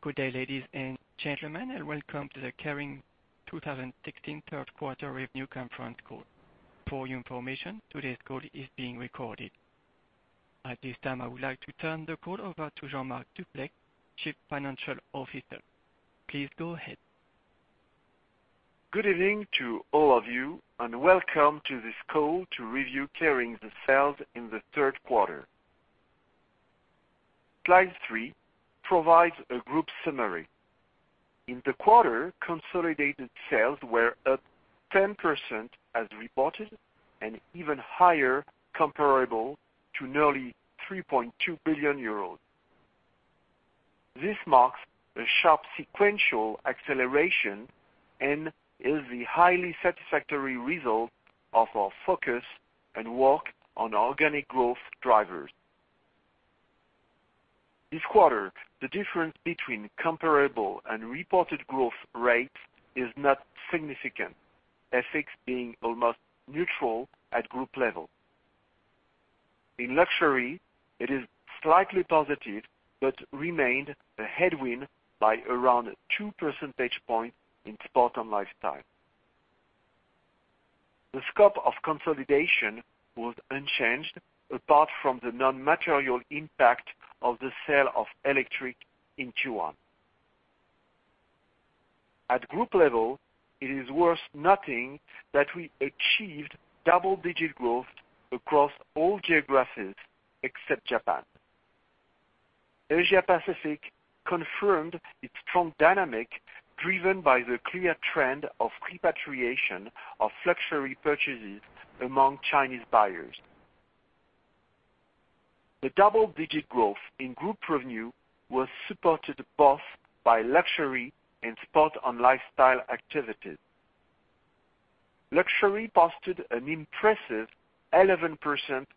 Good day, ladies and gentlemen, and welcome to the Kering 2016 third quarter revenue conference call. For your information, today's call is being recorded. At this time, I would like to turn the call over to Jean-Marc Duplaix, Chief Financial Officer. Please go ahead. Good evening to all of you, welcome to this call to review Kering's sales in the third quarter. Slide three provides a group summary. In the quarter, consolidated sales were up 10% as reported and even higher comparable to nearly 3.2 billion euros. This marks a sharp sequential acceleration and is the highly satisfactory result of our focus and work on organic growth drivers. This quarter, the difference between comparable and reported growth rates is not significant, FX being almost neutral at group level. In luxury, it is slightly positive but remained a headwind by around two percentage points in sport and lifestyle. The scope of consolidation was unchanged, apart from the non-material impact of the sale of Electric in Q1. At group level, it is worth noting that we achieved double-digit growth across all geographies except Japan. Asia Pacific confirmed its strong dynamic, driven by the clear trend of repatriation of luxury purchases among Chinese buyers. The double-digit growth in group revenue was supported both by luxury and sport and lifestyle activities. Luxury posted an impressive 11%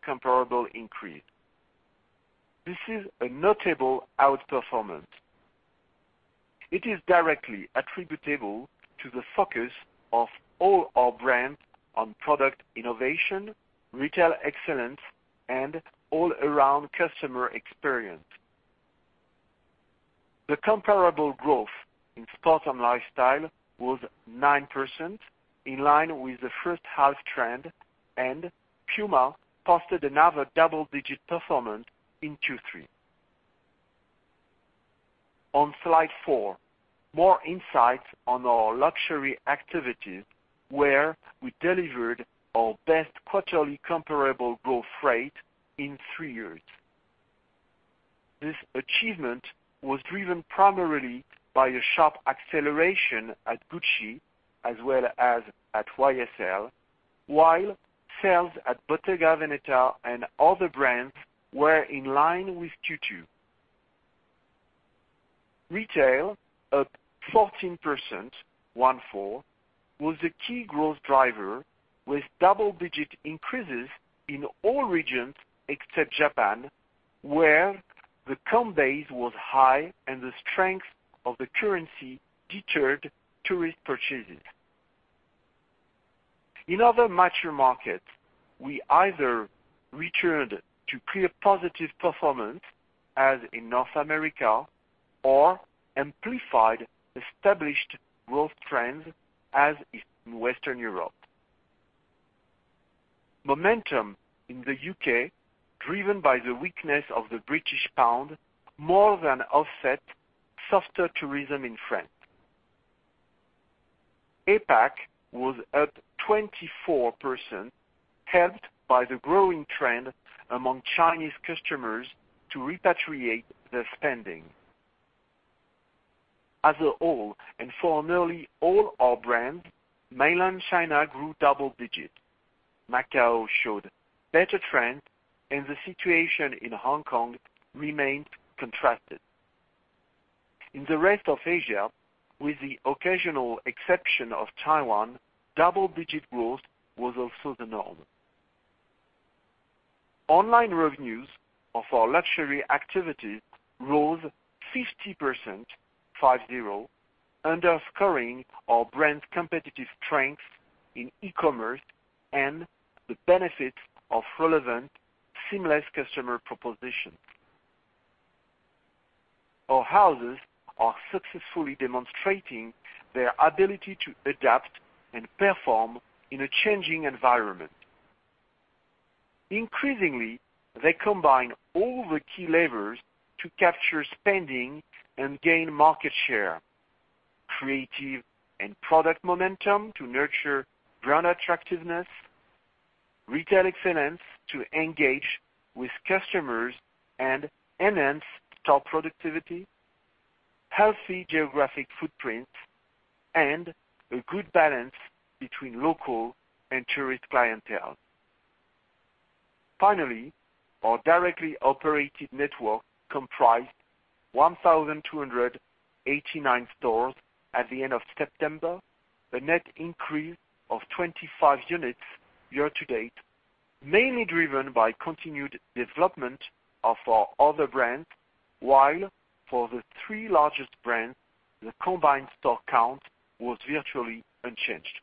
comparable increase. This is a notable outperformance. It is directly attributable to the focus of all our brands on product innovation, retail excellence, and all-around customer experience. The comparable growth in sport and lifestyle was 9%, in line with the first half trend, and PUMA posted another double-digit performance in Q3. On slide four, more insights on our luxury activities, where we delivered our best quarterly comparable growth rate in three years. This achievement was driven primarily by a sharp acceleration at Gucci as well as at YSL, while sales at Bottega Veneta and other brands were in line with Q2. Retail, up 14%, one four, was a key growth driver, with double-digit increases in all regions except Japan, where the comp base was high and the strength of the currency deterred tourist purchases. In other mature markets, we either returned to clear positive performance, as in North America, or amplified established growth trends, as in Western Europe. Momentum in the U.K., driven by the weakness of the British pound, more than offset softer tourism in France. APAC was up 24%, helped by the growing trend among Chinese customers to repatriate their spending. As a whole, and for nearly all our brands, mainland China grew double digits. Macau showed better trends, and the situation in Hong Kong remained contrasted. In the rest of Asia, with the occasional exception of Taiwan, double-digit growth was also the norm. Online revenues of our luxury activities rose 50%, underscoring our brands' competitive strengths in e-commerce and the benefits of relevant, seamless customer propositions. Our houses are successfully demonstrating their ability to adapt and perform in a changing environment. They combine all the key levers to capture spending and gain market share, creative and product momentum to nurture brand attractiveness, retail excellence to engage with customers and enhance top productivity, healthy geographic footprint, and a good balance between local and tourist clientele. Our directly operated network comprised 1,289 stores at the end of September, a net increase of 25 units year-to-date, mainly driven by continued development of our other brands, while for the three largest brands, the combined store count was virtually unchanged.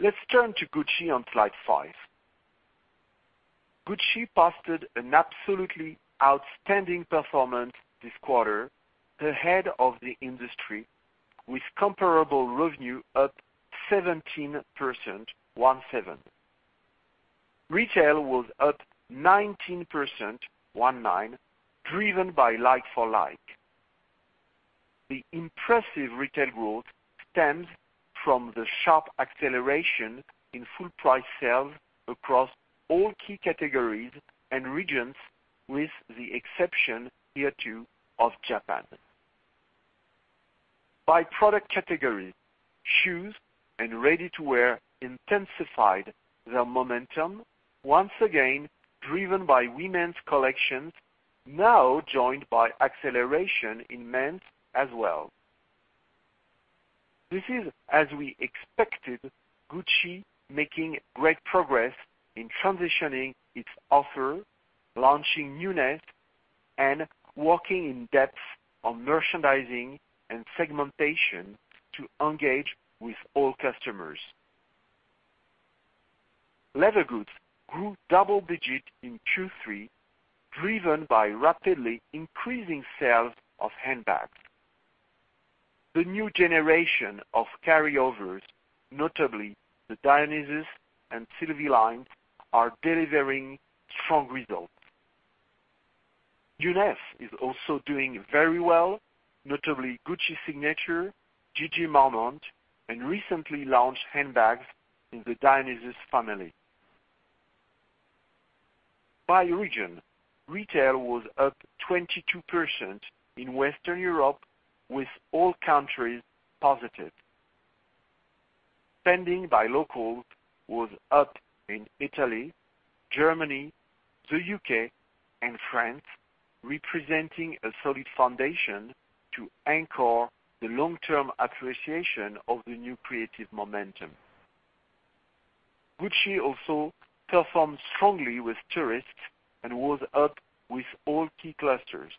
Let's turn to Gucci on slide five. Gucci posted an absolutely outstanding performance this quarter ahead of the industry, with comparable revenue up 17%. Retail was up 19%, driven by like-for-like. The impressive retail growth stems from the sharp acceleration in full price sales across all key categories and regions, with the exception here, too, of Japan. By product category, shoes and ready-to-wear intensified their momentum, once again driven by women's collections, now joined by acceleration in men's as well. This is, as we expected, Gucci making great progress in transitioning its offer, launching newness, and working in depth on merchandising and segmentation to engage with all customers. Leather goods grew double digit in Q3, driven by rapidly increasing sales of handbags. The new generation of carryovers, notably the Dionysus and Sylvie lines, are delivering strong results. Newness is also doing very well, notably Gucci Signature, GG Marmont, and recently launched handbags in the Dionysus family. By region, retail was up 22% in Western Europe, with all countries positive. Spending by locals was up in Italy, Germany, the U.K., and France, representing a solid foundation to anchor the long-term appreciation of the new creative momentum. Gucci also performed strongly with tourists and was up with all key clusters.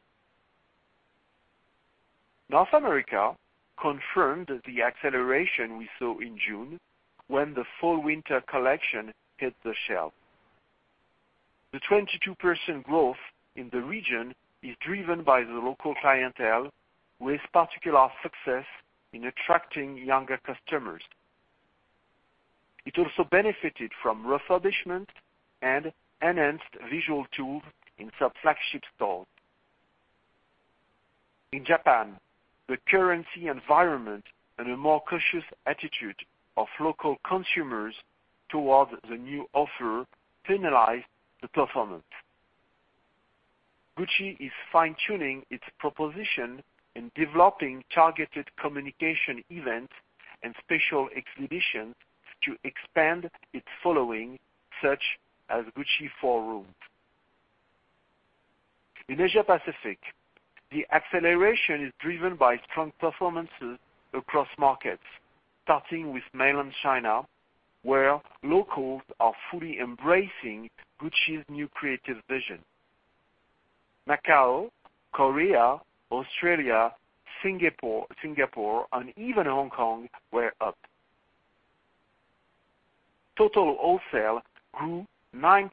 North America confirmed the acceleration we saw in June when the fall-winter collection hit the shelf. The 22% growth in the region is driven by the local clientele, with particular success in attracting younger customers. It also benefited from refurbishment and enhanced visual tools in sub-flagship stores. In Japan, the currency environment and a more cautious attitude of local consumers towards the new offer penalized the performance. Gucci is fine-tuning its proposition and developing targeted communication events and special exhibitions to expand its following, such as Gucci 4 Rooms. In Asia Pacific, the acceleration is driven by strong performances across markets, starting with Mainland China, where locals are fully embracing Gucci's new creative vision. Macau, Korea, Australia, Singapore, and even Hong Kong were up. Total wholesale grew 9%,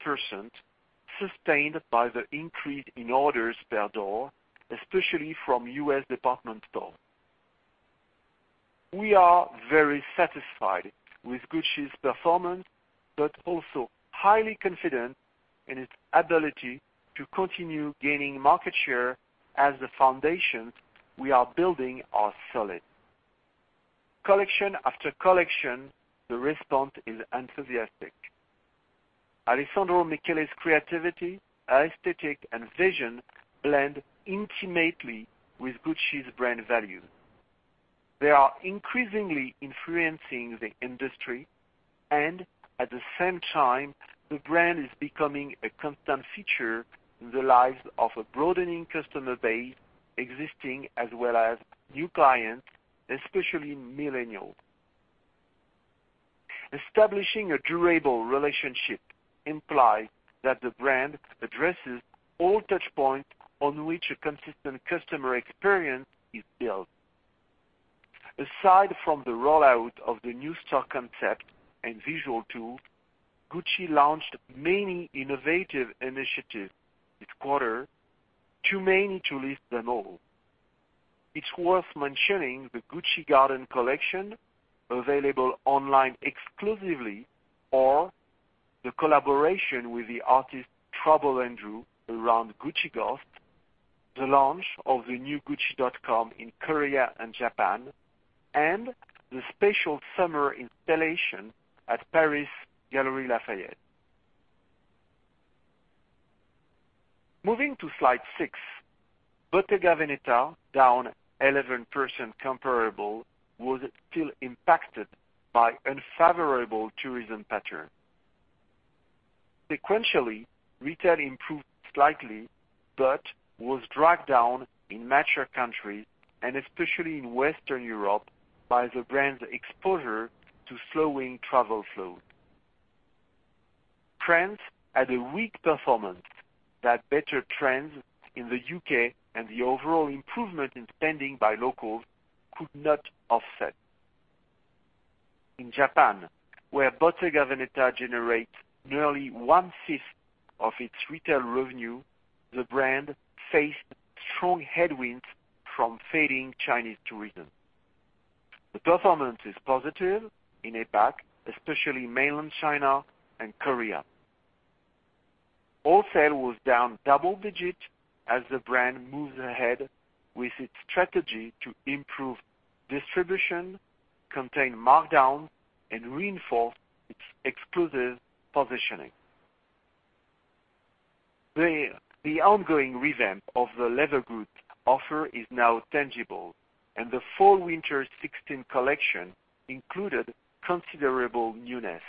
sustained by the increase in orders per door, especially from U.S. department stores. We are very satisfied with Gucci's performance, also highly confident in its ability to continue gaining market share as the foundations we are building are solid. Collection after collection, the response is enthusiastic. Alessandro Michele's creativity, aesthetic, and vision blend intimately with Gucci's brand values. They are increasingly influencing the industry, and at the same time, the brand is becoming a constant feature in the lives of a broadening customer base, existing as well as new clients, especially millennials. Establishing a durable relationship implies that the brand addresses all touchpoints on which a consistent customer experience is built. Aside from the rollout of the new store concept and visual tool, Gucci launched many innovative initiatives this quarter, too many to list them all. It is worth mentioning the Gucci Garden collection, available online exclusively, or the collaboration with the artist Trouble Andrew around GucciGhost, the launch of the new gucci.com in Korea and Japan, and the special summer installation at Paris Galeries Lafayette. Moving to slide six, Bottega Veneta, down 11% comparable, was still impacted by unfavorable tourism patterns. Sequentially, retail improved slightly but was dragged down in mature countries, and especially in Western Europe, by the brand's exposure to slowing travel flow. France had a weak performance that better trends in the U.K. and the overall improvement in spending by locals could not offset. In Japan, where Bottega Veneta generates nearly one-fifth of its retail revenue, the brand faced strong headwinds from fading Chinese tourism. The performance is positive in APAC, especially mainland China and Korea. Wholesale was down double digit as the brand moves ahead with its strategy to improve distribution, contain markdown, and reinforce its exclusive positioning. The ongoing revamp of the leather goods offer is now tangible, and the fall/winter 2016 collection included considerable newness.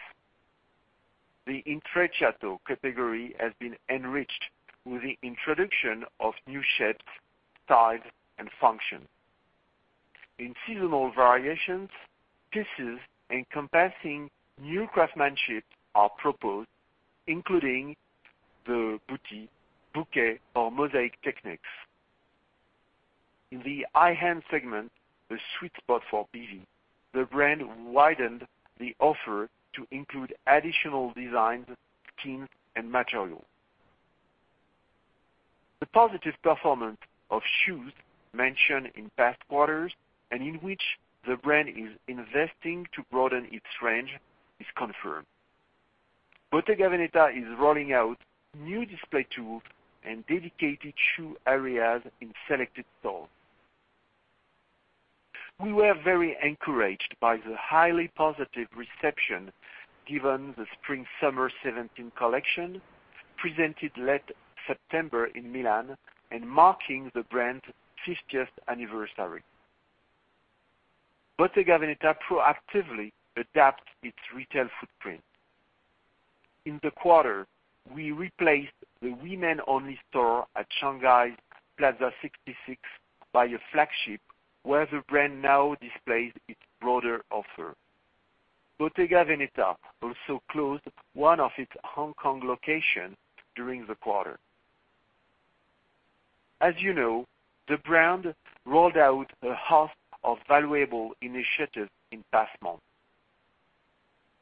The Intrecciato category has been enriched with the introduction of new shapes, styles, and functions. In seasonal variations, pieces encompassing new craftsmanship are proposed, including the boutis, bouquet, or mosaic techniques. In the high-end segment, the sweet spot for BV, the brand widened the offer to include additional designs, skins, and materials. The positive performance of shoes mentioned in past quarters, and in which the brand is investing to broaden its range, is confirmed. Bottega Veneta is rolling out new display tools and dedicated shoe areas in selected stores. We were very encouraged by the highly positive reception given the spring/summer 2017 collection, presented late September in Milan, and marking the brand's 50th anniversary. Bottega Veneta proactively adapts its retail footprint. In the quarter, we replaced the women-only store at Shanghai's Plaza 66 by a flagship, where the brand now displays its broader offer. Bottega Veneta also closed one of its Hong Kong locations during the quarter. As you know, the brand rolled out a host of valuable initiatives in past months.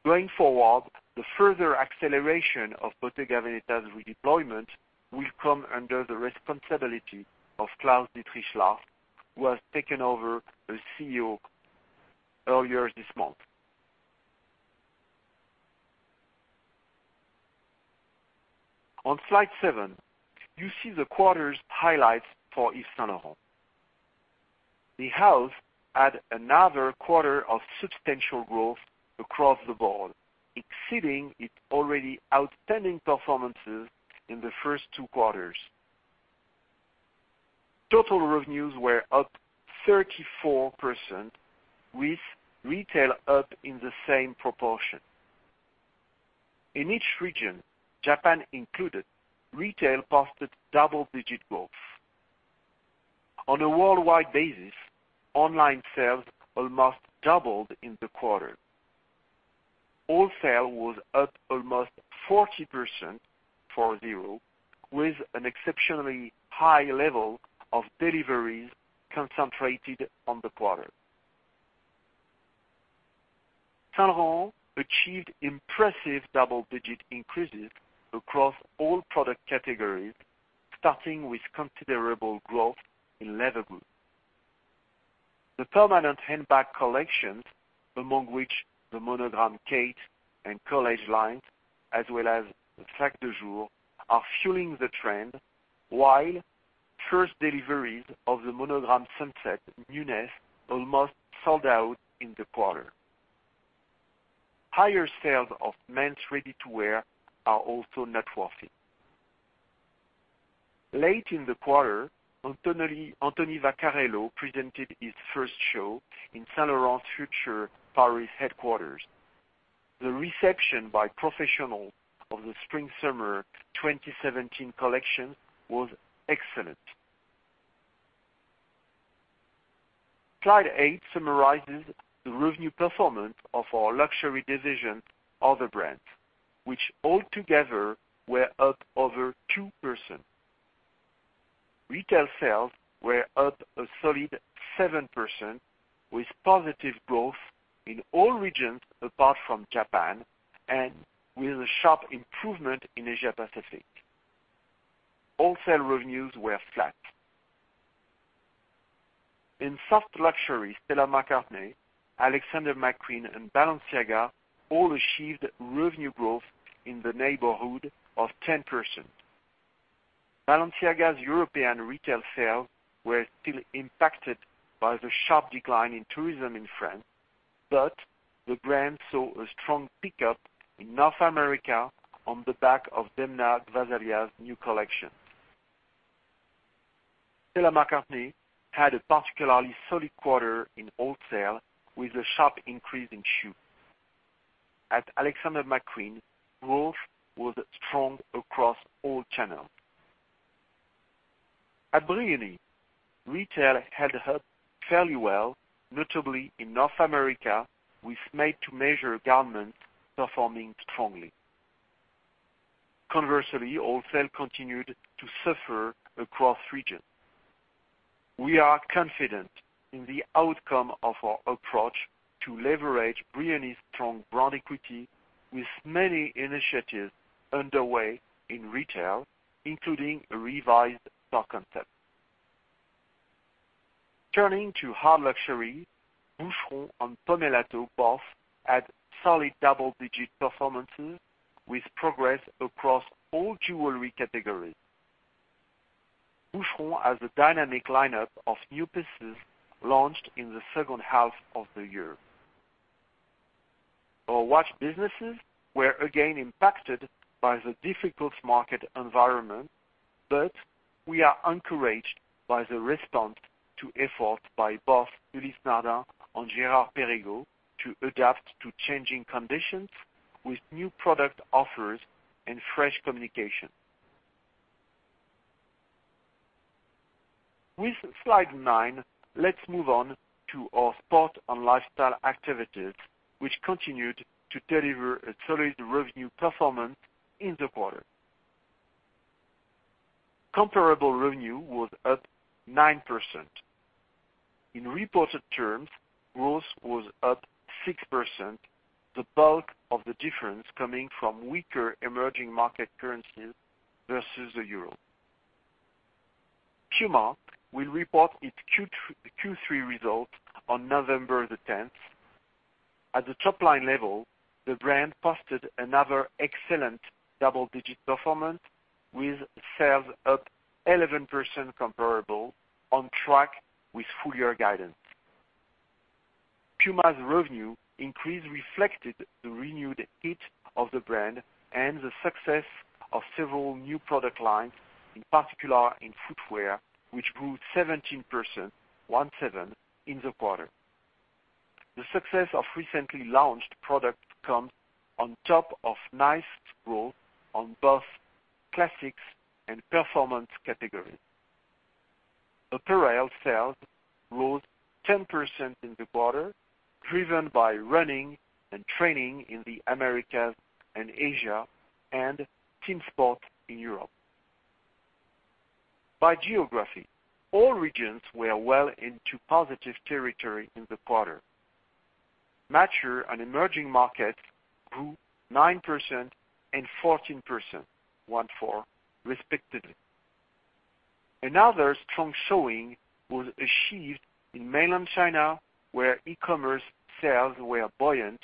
Going forward, the further acceleration of Bottega Veneta's redeployment will come under the responsibility of Claus-Dietrich Lahrs, who has taken over as CEO earlier this month. On slide seven, you see the quarter's highlights for Yves Saint Laurent. The house had another quarter of substantial growth across the board, exceeding its already outstanding performances in the first two quarters. Total revenues were up 34%, with retail up in the same proportion. In each region, Japan included, retail posted double-digit growth. On a worldwide basis, online sales almost doubled in the quarter. Wholesale was up almost 40%, 4, 0, with an exceptionally high level of deliveries concentrated on the quarter. Saint Laurent achieved impressive double-digit increases across all product categories, starting with considerable growth in leather goods. The permanent handbag collections, among which the Monogram Kate and College lines, as well as the Sac de Jour, are fueling the trend, while first deliveries of the Monogram Sunset newness almost sold out in the quarter. Higher sales of men's ready-to-wear are also noteworthy. Late in the quarter, Anthony Vaccarello presented his first show in Saint Laurent's future Paris headquarters. The reception by professionals of the spring/summer 2017 collection was excellent. Slide eight summarizes the revenue performance of our luxury division, Other Brands, which altogether were up over 2%. Retail sales were up a solid 7%, with positive growth in all regions apart from Japan, and with a sharp improvement in Asia Pacific. Wholesale revenues were flat. In soft luxury, Stella McCartney, Alexander McQueen, and Balenciaga all achieved revenue growth in the neighborhood of 10%. Balenciaga's European retail sales were still impacted by the sharp decline in tourism in France, but the brand saw a strong pickup in North America on the back of Demna Gvasalia's new collection. Stella McCartney had a particularly solid quarter in wholesale with a sharp increase in shoes. At Alexander McQueen, growth was strong across all channels. At Brioni, retail held up fairly well, notably in North America, with made-to-measure garments performing strongly. Conversely, wholesale continued to suffer across regions. We are confident in the outcome of our approach to leverage Brioni's strong brand equity with many initiatives underway in retail, including a revised store concept. Turning to hard luxury, Boucheron and Pomellato both had solid double-digit performances with progress across all jewelry categories. Boucheron has a dynamic lineup of new pieces launched in the second half of the year. Our watch businesses were again impacted by the difficult market environment, but we are encouraged by the response to efforts by both Ulysse Nardin and Girard-Perregaux to adapt to changing conditions with new product offers and fresh communication. With Slide nine, let's move on to our sport and lifestyle activities, which continued to deliver a solid revenue performance in the quarter. Comparable revenue was up 9%. In reported terms, growth was up 6%, the bulk of the difference coming from weaker emerging market currencies versus the euro. Puma will report its Q3 result on November the 10th. At the top-line level, the brand posted another excellent double-digit performance with sales up 11% comparable, on track with full-year guidance. Puma's revenue increase reflected the renewed heat of the brand and the success of several new product lines, in particular in footwear, which grew 17%, one seven, in the quarter. The success of recently launched product comes on top of nice growth on both classics and performance categories. Apparel sales rose 10% in the quarter, driven by running and training in the Americas and Asia and team sport in Europe. By geography, all regions were well into positive territory in the quarter. Mature and emerging markets grew 9% and 14%, one four, respectively. Another strong showing was achieved in mainland China, where e-commerce sales were buoyant,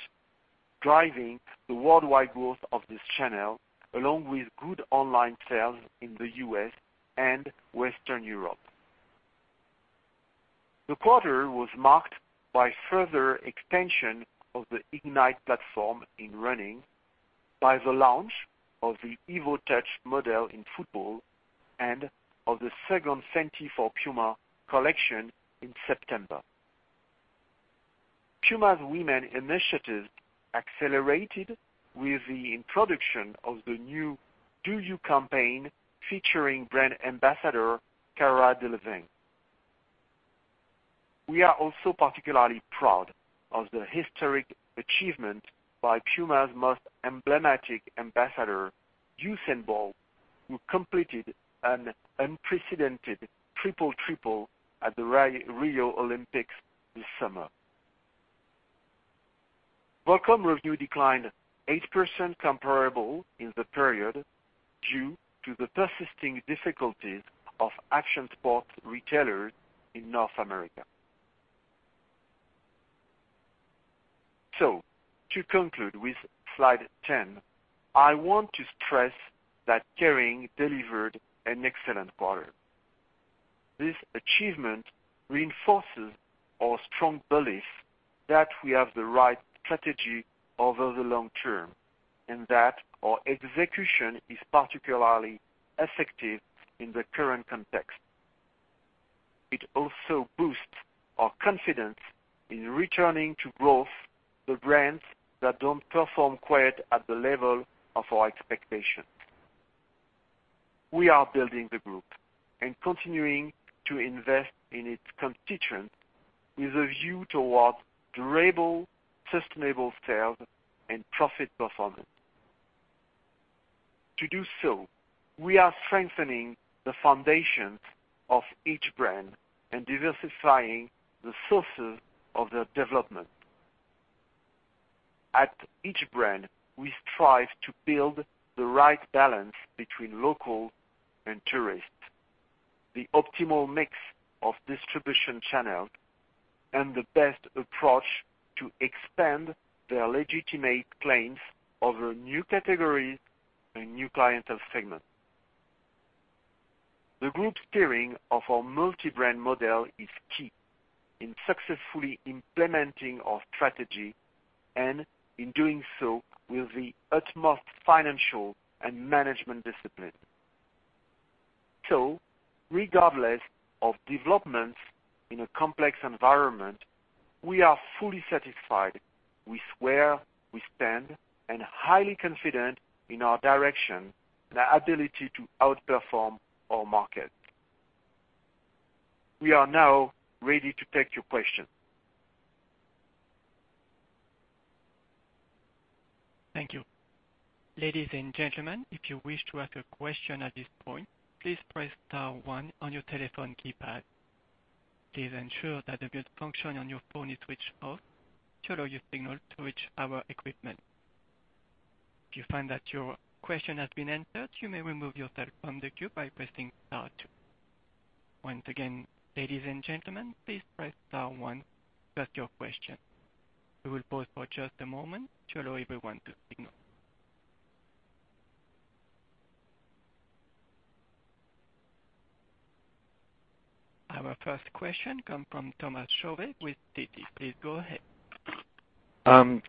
driving the worldwide growth of this channel, along with good online sales in the U.S. and Western Europe. The quarter was marked by further extension of the IGNITE platform in running, by the launch of the evoTOUCH model in football, and of the second Fenty for Puma collection in September. Puma's women initiatives accelerated with the introduction of the new DO YOU campaign, featuring brand ambassador Cara Delevingne. We are also particularly proud of the historic achievement by Puma's most emblematic ambassador, Usain Bolt, who completed an unprecedented triple-triple at the Rio Olympics this summer. Volcom revenue declined 8% comparable in the period due to the persisting difficulties of action sports retailers in North America. To conclude with slide 10, I want to stress that Kering delivered an excellent quarter. This achievement reinforces our strong belief that we have the right strategy over the long term, and that our execution is particularly effective in the current context. It also boosts our confidence in returning to growth the brands that don't perform quite at the level of our expectations. We are building the group and continuing to invest in its constituents with a view towards durable, sustainable sales and profit performance. To do so, we are strengthening the foundations of each brand and diversifying the sources of their development. At each brand, we strive to build the right balance between local and tourist, the optimal mix of distribution channels, and the best approach to expand their legitimate claims over new categories and new clientele segments. The group steering of our multi-brand model is key in successfully implementing our strategy, and in doing so with the utmost financial and management discipline. Regardless of developments in a complex environment We are fully satisfied with where we stand and highly confident in our direction and our ability to outperform our market. We are now ready to take your questions. Thank you. Ladies and gentlemen, if you wish to ask a question at this point, please press star one on your telephone keypad. Please ensure that the mute function on your phone is switched off to allow your signal to reach our equipment. If you find that your question has been answered, you may remove yourself from the queue by pressing star two. Once again, ladies and gentlemen, please press star one to ask your question. We will pause for just a moment to allow everyone to signal. Our first question comes from Thomas Chauvet with Citi. Please go ahead.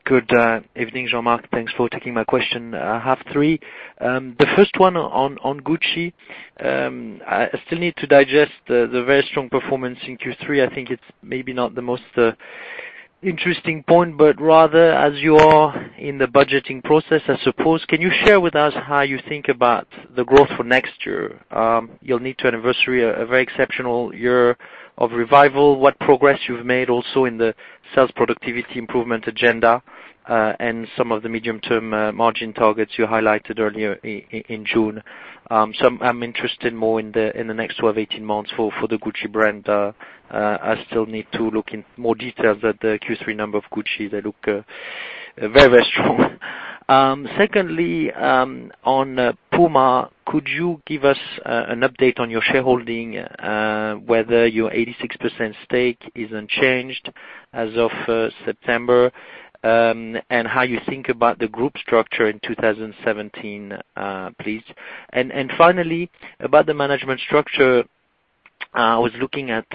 Good evening, Jean-Marc. Thanks for taking my question. I have three. The first one on Gucci. I still need to digest the very strong performance in Q3. I think it's maybe not the most interesting point, but rather, as you are in the budgeting process, I suppose, can you share with us how you think about the growth for next year? You'll need to anniversary a very exceptional year of revival, what progress you've made also in the sales productivity improvement agenda, and some of the medium-term margin targets you highlighted earlier in June. I'm interested more in the next 12, 18 months for the Gucci brand. I still need to look in more details at the Q3 numbers of Gucci. They look very strong. Secondly, on PUMA, could you give us an update on your shareholding, whether your 86% stake is unchanged as of September, and how you think about the group structure in 2017, please. Finally, about the management structure, I was looking at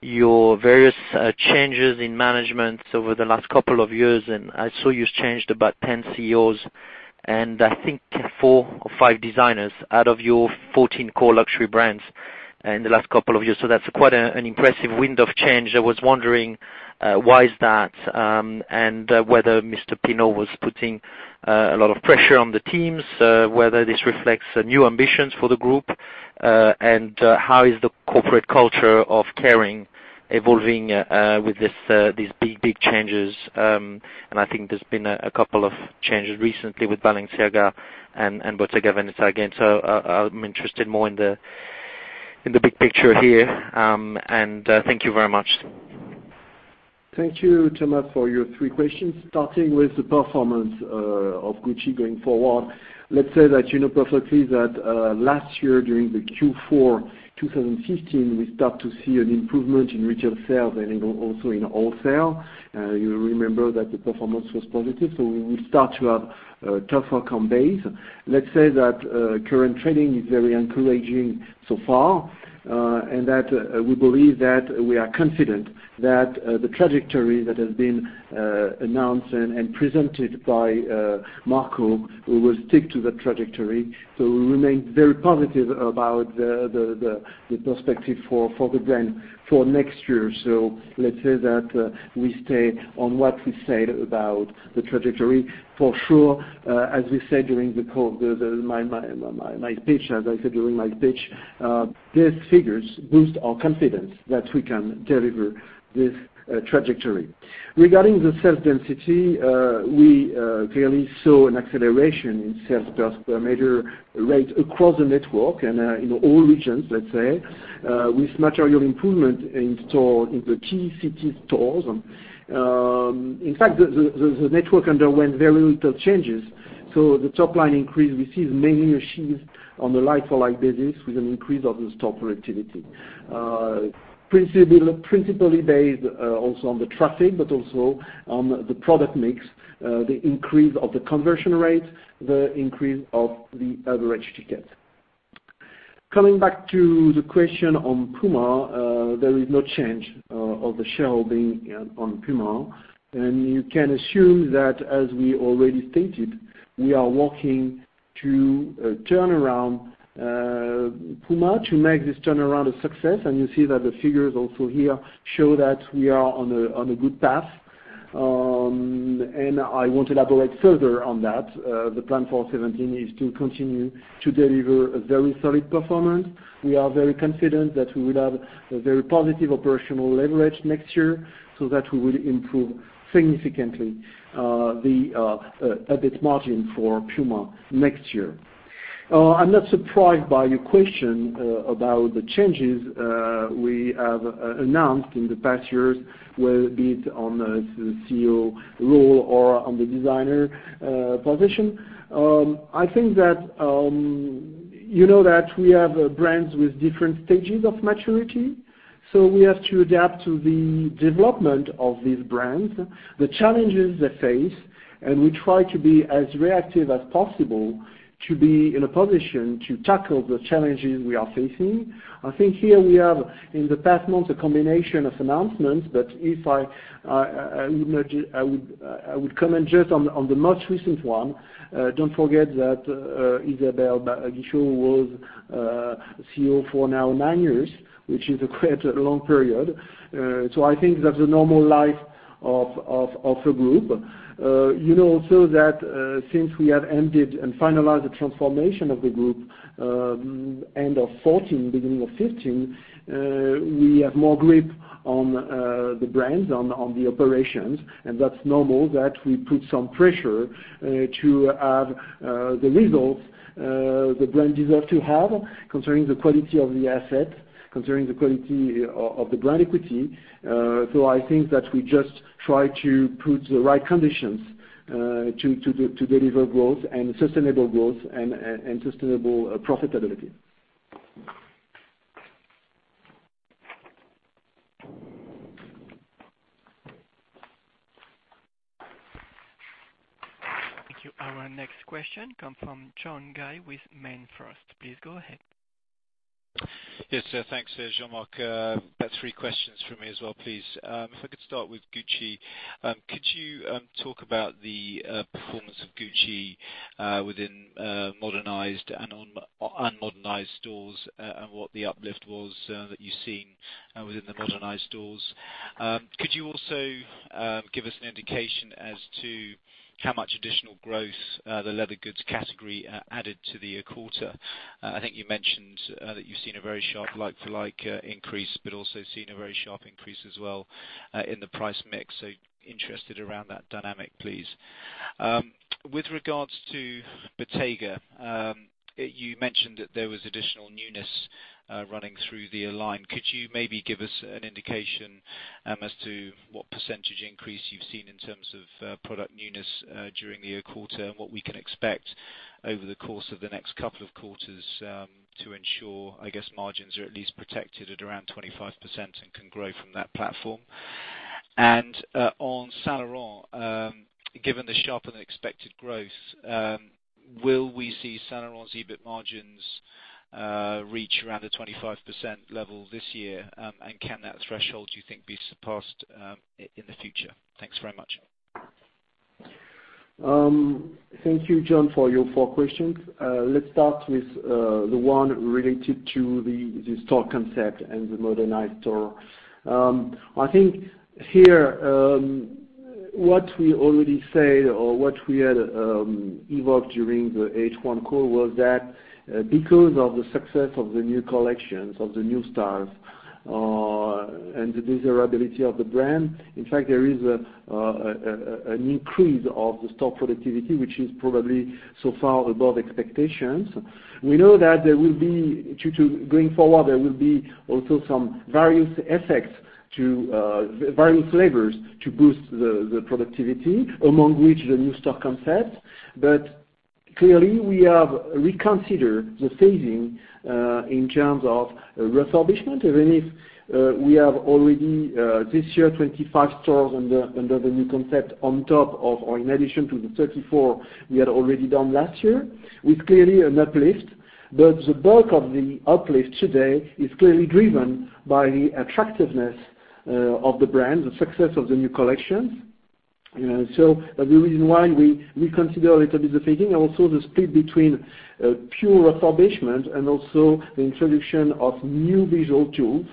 your various changes in management over the last couple of years, and I saw you changed about 10 CEOs and I think four or five designers out of your 14 core luxury brands in the last couple of years. That's quite an impressive wind of change. I was wondering why is that, and whether Mr. Pinault was putting a lot of pressure on the teams, whether this reflects new ambitions for the group, and how is the corporate culture of Kering evolving with these big changes. I think there's been a couple of changes recently with Balenciaga and Bottega Veneta again. I'm interested more in the big picture here. Thank you very much. Thank you, Thomas, for your three questions. Starting with the performance of Gucci going forward, let's say that you know perfectly that last year during the Q4 2015, we start to see an improvement in retail sales and also in wholesale. You remember that the performance was positive, we will start to have a tougher comp base. Let's say that current trading is very encouraging so far, that we believe that we are confident that the trajectory that has been announced and presented by Marco, we will stick to the trajectory. We remain very positive about the perspective for the brand for next year. Let's say that we stay on what we said about the trajectory. For sure, as I said during my pitch, these figures boost our confidence that we can deliver this trajectory. Regarding the sales density, we clearly saw an acceleration in sales per square meter rate across the network and in all regions, let's say, with material improvement in store in the key city stores. In fact, the network underwent very little changes. The top-line increase we see is mainly achieved on the like-for-like basis with an increase of the store productivity. Principally based also on the traffic, also on the product mix, the increase of the conversion rate, the increase of the average ticket. Coming back to the question on PUMA, there is no change of the shareholding on PUMA. You can assume that, as we already stated, we are working to turn around PUMA, to make this turnaround a success. You see that the figures also here show that we are on a good path. I won't elaborate further on that. The plan for 2017 is to continue to deliver a very solid performance. We are very confident that we will have a very positive operational leverage next year, so that we will improve significantly the EBIT margin for PUMA next year. I'm not surprised by your question about the changes we have announced in the past years, whether it be on the CEO role or on the designer position. I think that you know that we have brands with different stages of maturity. We have to adapt to the development of these brands, the challenges they face, and we try to be as reactive as possible to be in a position to tackle the challenges we are facing. I think here we have, in the past months, a combination of announcements, but I would comment just on the most recent one. Don't forget that Isabelle Guichot was CEO for now nine years, which is quite a long period. I think that's a normal life of a group. You know also that since we have ended and finalized the transformation of the group, end of 2014, beginning of 2015, we have more grip on the brands, on the operations, and that's normal that we put some pressure to have the results the brand deserves to have concerning the quality of the asset, concerning the quality of the brand equity. I think that we just try to put the right conditions to deliver growth, and sustainable growth, and sustainable profitability. Thank you. Our next question come from John Guy with MainFirst. Please go ahead. Yes, sir. Thanks, Jean-Marc. About three questions from me as well, please. If I could start with Gucci, could you talk about the performance of Gucci within modernized and unmodernized stores, and what the uplift was that you've seen within the modernized stores? Could you also give us an indication as to how much additional growth the leather goods category added to the quarter? I think you mentioned that you've seen a very sharp like-for-like increase, but also seen a very sharp increase as well in the price mix. Interested around that dynamic, please. With regards to Bottega, you mentioned that there was additional newness running through the line. Could you maybe give us an indication as to what percentage increase you've seen in terms of product newness during the quarter, and what we can expect over the course of the next couple of quarters to ensure, I guess, margins are at least protected at around 25% and can grow from that platform? On Saint Laurent, given the sharper-than-expected growth, will we see Saint Laurent's EBIT margins reach around a 25% level this year? Can that threshold, do you think, be surpassed in the future? Thanks very much. Thank you, John, for your four questions. Let's start with the one related to the store concept and the modernized store. I think here, what we already said or what we had evoked during the H1 call was that because of the success of the new collections, of the new styles, and the desirability of the brand, in fact, there is an increase of the store productivity, which is probably so far above expectations. We know that going forward, there will be also some various effects, various levers to boost the productivity, among which the new store concept. Clearly, we have reconsidered the saving in terms of refurbishment, even if we have already this year, 25 stores under the new concept on top of or in addition to the 34 we had already done last year, with clearly an uplift. The bulk of the uplift today is clearly driven by the attractiveness of the brand, the success of the new collections. The reason why we reconsider a little bit the saving, also the split between pure refurbishment and also the introduction of new visual tools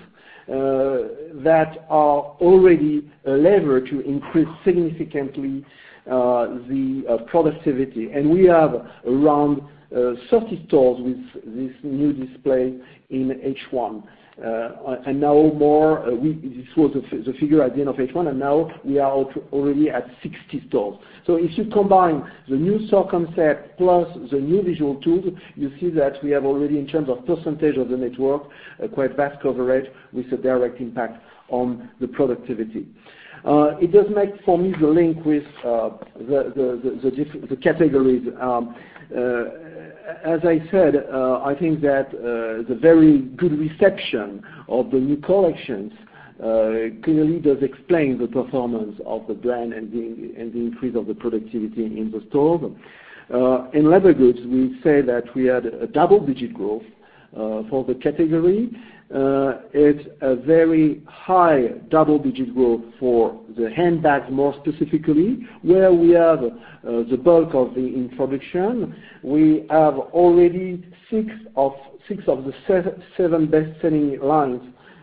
that are already a lever to increase significantly the productivity. We have around 30 stores with this new display in H1. This was the figure at the end of H1, and now we are already at 60 stores. If you combine the new store concept plus the new visual tools, you see that we have already, in terms of % of the network, a quite vast coverage with a direct impact on the productivity. It does make for me the link with the categories. As I said, I think that the very good reception of the new collections clearly does explain the performance of the brand and the increase of the productivity in the stores. In leather goods, we say that we had a double-digit growth for the category. It's a very high double-digit growth for the handbags more specifically, where we have the bulk of the introduction. We have already six of the seven best-selling lines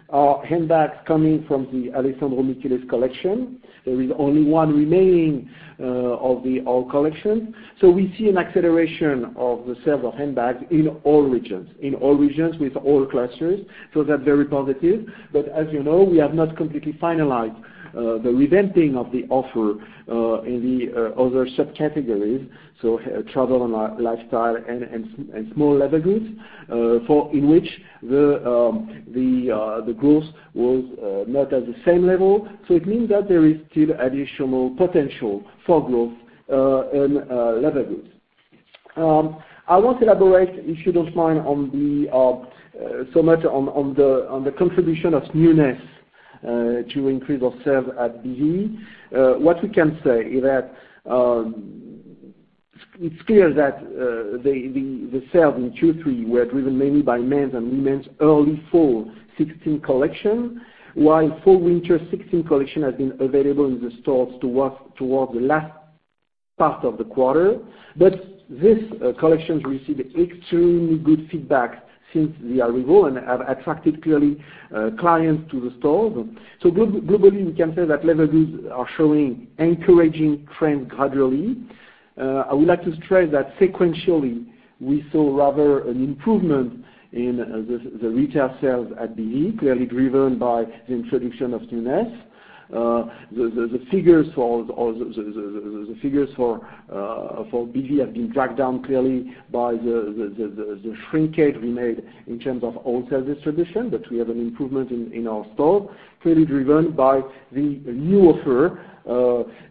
are handbags coming from the Alessandro Michele collection. There is only one remaining of the old collection. We see an acceleration of the sale of handbags in all regions with all clusters. That's very positive. As you know, we have not completely finalized the revamping of the offer in the other subcategories, so travel and lifestyle and small leather goods, in which the growth was not at the same level. It means that there is still additional potential for growth in leather goods. I want to elaborate, if you don't mind, on the sum total, on the contribution of newness to increase of sales at BV. What we can say is that it's clear that the sales in Q3 were driven mainly by men's and women's early Fall 2016 collection, while Fall/Winter 2016 collection has been available in the stores towards the last part of the quarter. This collection received extremely good feedback since the arrival, and have attracted clearly clients to the stores. Globally, we can say that leather goods are showing encouraging trends gradually. I would like to stress that sequentially, we saw rather an improvement in the retail sales at BV, clearly driven by the introduction of newness. The figures for BV have been dragged down clearly by the shrinkage we made in terms of wholesale distribution. We have an improvement in our store, clearly driven by the new offer,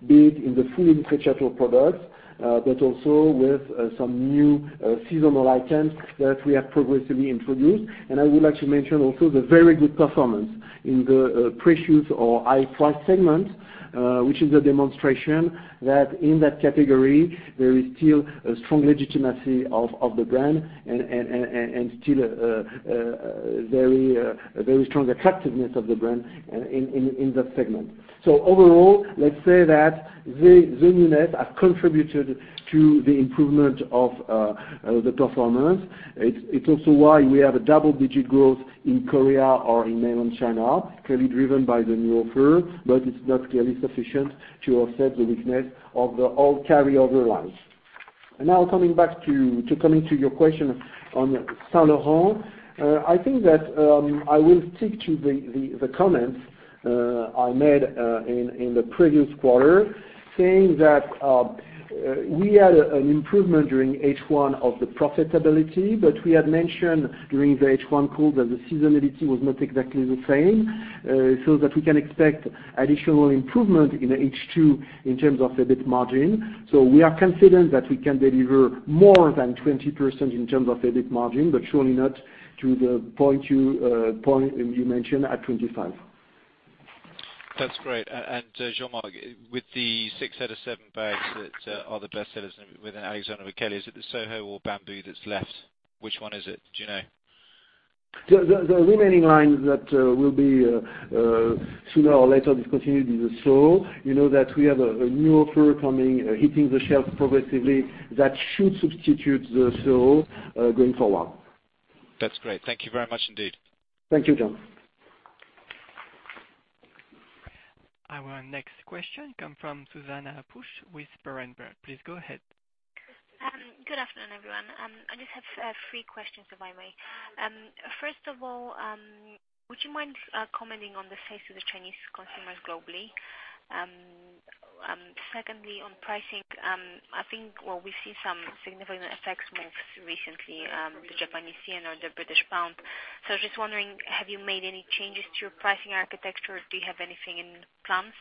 be it in the fully leather products, also with some new seasonal items that we have progressively introduced. I would like to mention also the very good performance in the precious or high price segment, which is a demonstration that in that category, there is still a strong legitimacy of the brand and still a very strong attractiveness of the brand in that segment. Overall, let's say that the newness has contributed to the improvement of the performance. It's also why we have a double-digit growth in Korea or in Mainland China, clearly driven by the new offer, it's not clearly sufficient to offset the weakness of the old carry-over lines. Now coming back to your question on Saint Laurent. I think that I will stick to the comments I made in the previous quarter, saying that we had an improvement during H1 of the profitability, we had mentioned during the H1 call that the seasonality was not exactly the same, that we can expect additional improvement in H2 in terms of EBIT margin. We are confident that we can deliver more than 20% in terms of EBIT margin, surely not to the point you mentioned at 25%. That's great. Jean-Marc, with the six out of seven bags that are the bestsellers within Alexander McQueen, is it the Soho or Bamboo that's left? Which one is it? Do you know? The remaining line that will be sooner or later discontinued is the Soho. You know that we have a new offer coming, hitting the shelf progressively that should substitute the Soho going forward. That's great. Thank you very much indeed. Thank you, John. Our next question come from Zuzanna Pusz with Berenberg. Please go ahead. Good afternoon, everyone. I just have three questions, if I may. First of all, would you mind commenting on the face of the Chinese consumers globally? Secondly, on pricing, I think we see some significant FX moves recently, the Japanese yen or the British pound. Just wondering, have you made any changes to your pricing architecture? Do you have anything in plans?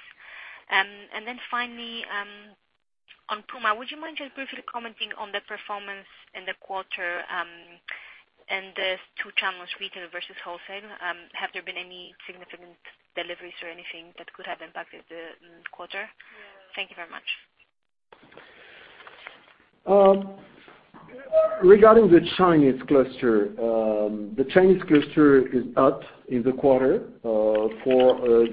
Finally, on PUMA, would you mind just briefly commenting on the performance in the quarter and the two channels, retail versus wholesale? Have there been any significant deliveries or anything that could have impacted the quarter? Thank you very much. Regarding the Chinese cluster. The Chinese cluster is up in the quarter, for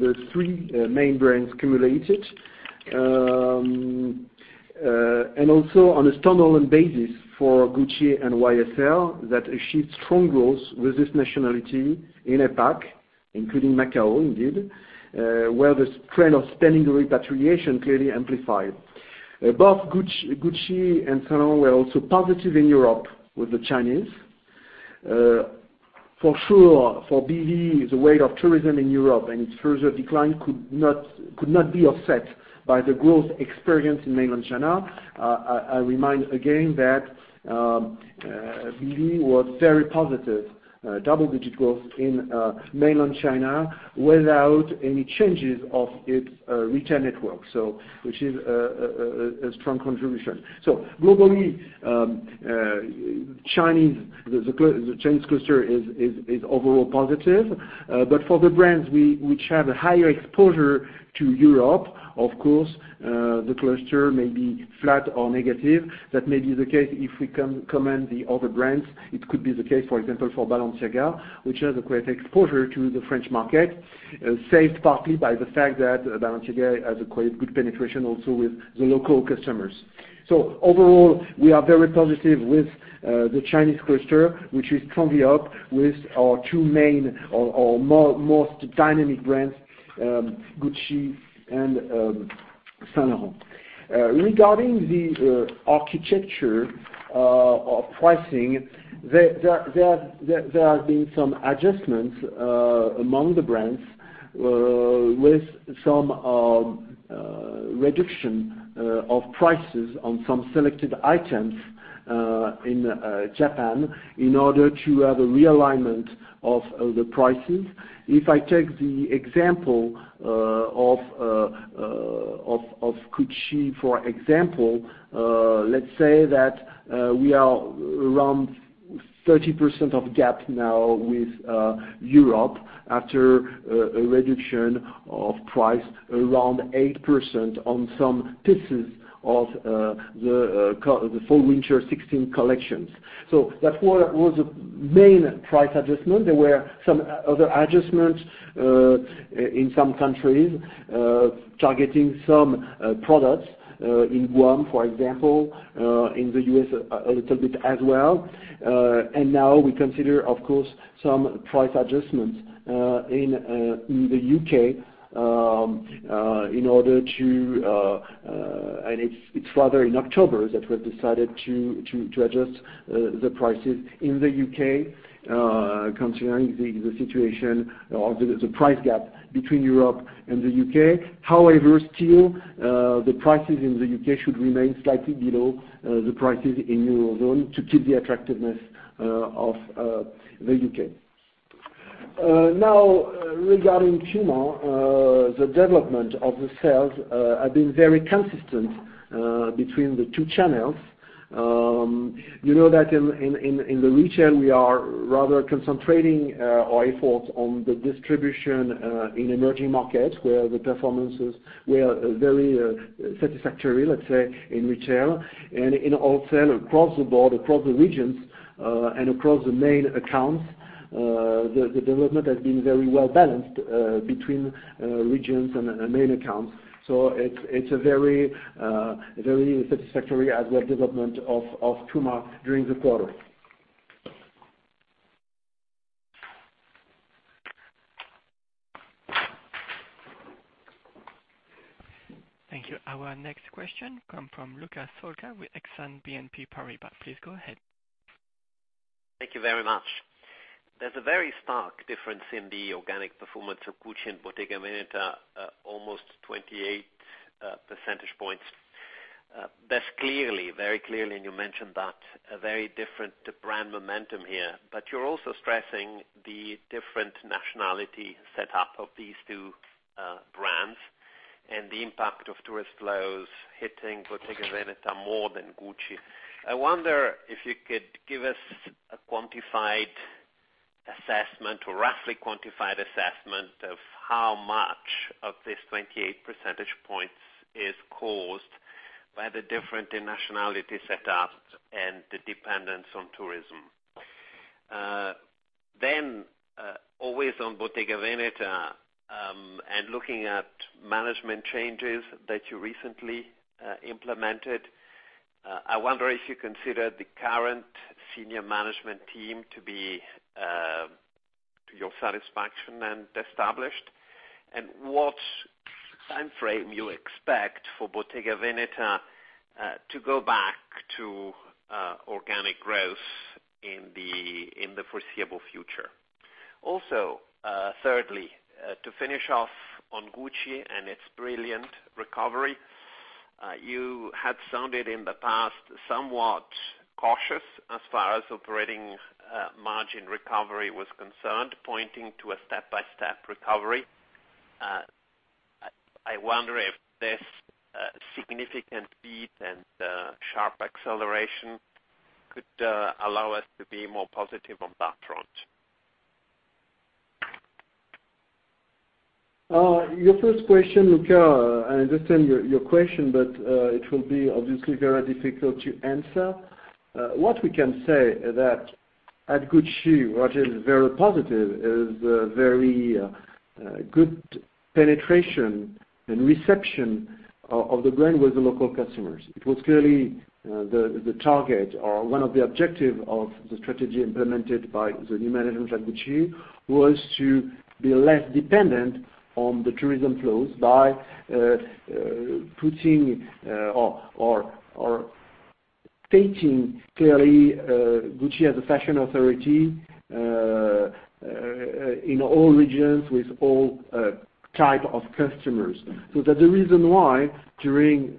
the three main brands cumulated. Also on a standalone basis for Gucci and YSL that achieved strong growth with this nationality in APAC, including Macao indeed, where the trend of spending repatriation clearly amplified. Both Gucci and Saint Laurent were also positive in Europe with the Chinese. For sure, for BV, the weight of tourism in Europe and its further decline could not be offset by the growth experienced in Mainland China. I remind again that BV was very positive, double-digit growth in Mainland China without any changes of its retail network. Which is a strong contribution. Globally, the Chinese cluster is overall positive. For the brands which have a higher exposure to Europe, of course, the cluster may be flat or negative. That may be the case if we comment the other brands. It could be the case, for example, for Balenciaga, which has a great exposure to the French market, saved partly by the fact that Balenciaga has a quite good penetration also with the local customers. Overall, we are very positive with the Chinese cluster, which is strongly up with our two main or most dynamic brands, Gucci and Saint Laurent. Regarding the architecture of pricing, there have been some adjustments among the brands with some reduction of prices on some selected items in Japan in order to have a realignment of the prices. If I take the example of Gucci, for example, let's say that we are around 30% of gap now with Europe after a reduction of price around 8% on some pieces of the fall/winter 2016 collections. That was the main price adjustment. There were some other adjustments in some countries, targeting some products in Guam, for example, in the U.S. a little bit as well. Now we consider, of course, some price adjustments in the U.K. It's rather in October that we've decided to adjust the prices in the U.K. concerning the situation of the price gap between Europe and the U.K. However, still, the prices in the U.K. should remain slightly below the prices in eurozone to keep the attractiveness of the U.K. Now, regarding PUMA, the development of the sales have been very consistent between the two channels. You know that in the retail, we are rather concentrating our efforts on the distribution in emerging markets where the performances were very satisfactory, let's say, in retail and in wholesale across the board, across the regions, and across the main accounts. The development has been very well-balanced between regions and main accounts. It's a very satisfactory as well development of PUMA during the quarter. Thank you. Our next question come from Luca Solca with Exane BNP Paribas. Please go ahead. Thank you very much. There's a very stark difference in the organic performance of Gucci and Bottega Veneta, almost 28 percentage points. That's very clearly, and you mentioned that, a very different brand momentum here. You're also stressing the different nationality set up of these two brands and the impact of tourist flows hitting Bottega Veneta more than Gucci. I wonder if you could give us a quantified assessment or roughly quantified assessment of how much of this 28 percentage points is caused by the different nationality set ups and the dependence on tourism. Always on Bottega Veneta, and looking at management changes that you recently implemented, I wonder if you consider the current senior management team to your satisfaction and established, and what timeframe you expect for Bottega Veneta to go back to organic growth in the foreseeable future. Also, thirdly, to finish off on Gucci and its brilliant recovery, you had sounded in the past somewhat cautious as far as operating margin recovery was concerned, pointing to a step-by-step recovery. I wonder if this significant beat and sharp acceleration could allow us to be more positive on that front. Your first question, Luca, I understand your question, but it will be obviously very difficult to answer. What we can say is that at Gucci, what is very positive is the very good penetration and reception of the brand with the local customers. It was clearly the target or one of the objective of the strategy implemented by the new management at Gucci was to be less dependent on the tourism flows by putting or stating clearly Gucci as a fashion authority in all regions with all type of customers. The reason why during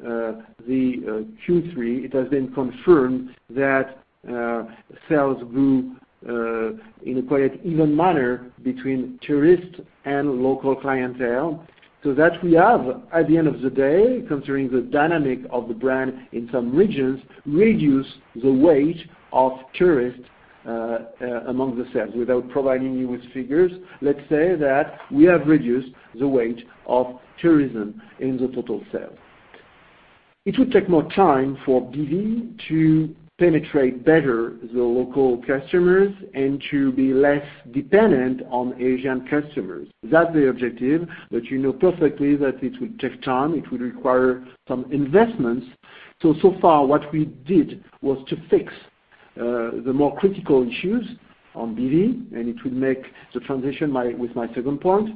the Q3 it has been confirmed that sales grew in a quite even manner between tourists and local clientele, so that we have, at the end of the day, considering the dynamic of the brand in some regions, reduced the weight of tourists among the sales. Without providing you with figures, let's say that we have reduced the weight of tourism in the total sales. It will take more time for BV to penetrate better the local customers and to be less dependent on Asian customers. That's the objective, but you know perfectly that it will take time. It will require some investments. So far what we did was to fix the more critical issues on BV, and it will make the transition with my second point.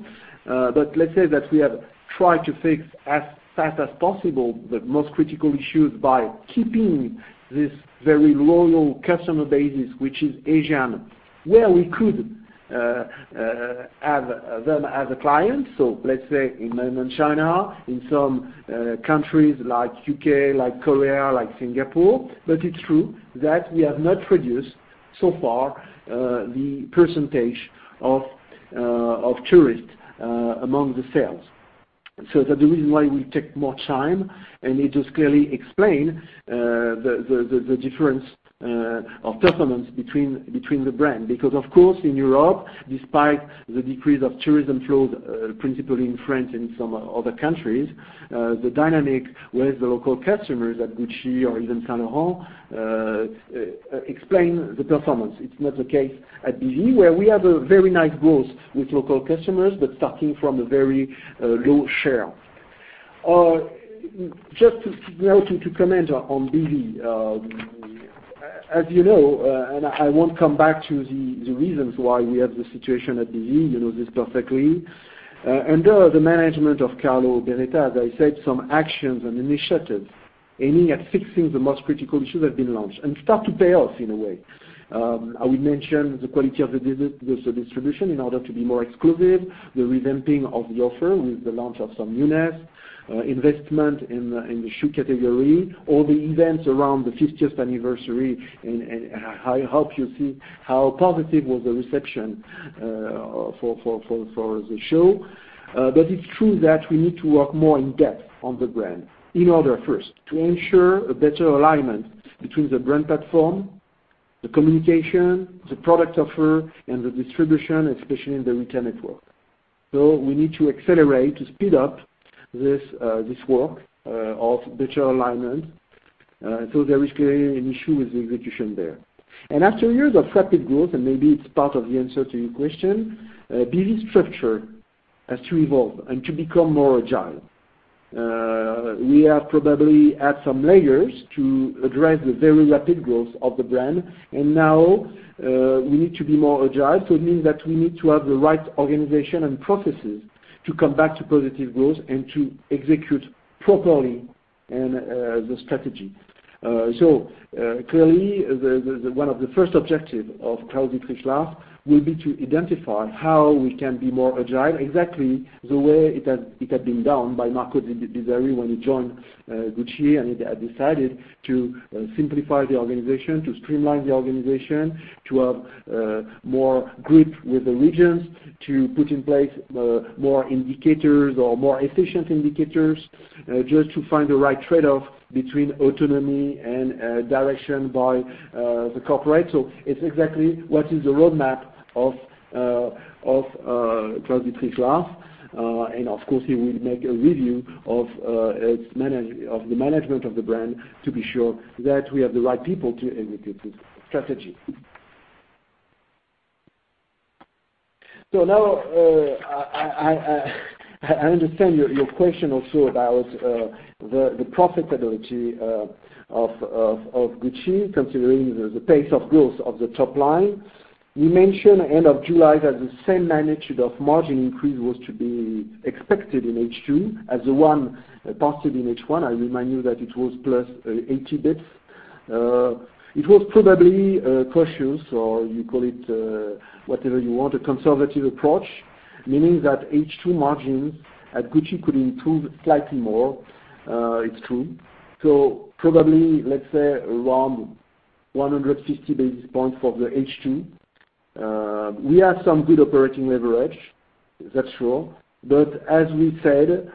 Let's say that we have tried to fix as fast as possible the most critical issues by keeping this very loyal customer base, which is Asian, where we could have them as a client. Let's say in Mainland China, in some countries like U.K., like Korea, like Singapore. It's true that we have not reduced, so far, the percentage of tourists among the sales. The reason why we take more time, and it just clearly explain the difference of performance between the brand. Of course, in Europe, despite the decrease of tourism flows, principally in France and some other countries, the dynamic with the local customers at Gucci or even Saint Laurent, explain the performance. It's not the case at BV, where we have a very nice growth with local customers, but starting from a very low share. Just now to comment on BV. As you know, and I won't come back to the reasons why we have the situation at BV, you know this perfectly. Under the management of Carlo Beretta, as I said, some actions and initiatives aiming at fixing the most critical issues have been launched, and start to pay off in a way. I will mention the quality of the visit with the distribution in order to be more exclusive, the revamping of the offer with the launch of some newness, investment in the shoe category, all the events around the 50th anniversary, and I hope you see how positive was the reception for the show. It's true that we need to work more in-depth on the brand in order first to ensure a better alignment between the brand platform, the communication, the product offer, and the distribution, especially in the retail network. We need to accelerate, to speed up this work of better alignment. There is clearly an issue with the execution there. After years of rapid growth, and maybe it's part of the answer to your question, BV structure has to evolve and to become more agile. We have probably add some layers to address the very rapid growth of the brand. Now we need to be more agile. It means that we need to have the right organization and processes to come back to positive growth and to execute properly the strategy. Clearly, one of the first objective of Claus-Dietrich Lahrs will be to identify how we can be more agile, exactly the way it had been done by Marco Bizzarri when he joined Gucci and had decided to simplify the organization, to streamline the organization, to have more grip with the regions, to put in place more indicators or more efficient indicators, just to find the right trade-off between autonomy and direction by the corporate. It's exactly what is the roadmap of Claus-Dietrich Lahrs, and of course, he will make a review of the management of the brand to be sure that we have the right people to execute this strategy. Now, I understand your question also about the profitability of Gucci, considering the pace of growth of the top line. We mentioned end of July that the same magnitude of margin increase was to be expected in H2 as the one passed in H1. I remind you that it was +80 basis points. It was probably cautious, or you call it whatever you want, a conservative approach, meaning that H2 margins at Gucci could improve slightly more. It's true. Probably, let's say around 150 basis points for the H2. We have some good operating leverage, that's sure. As we said,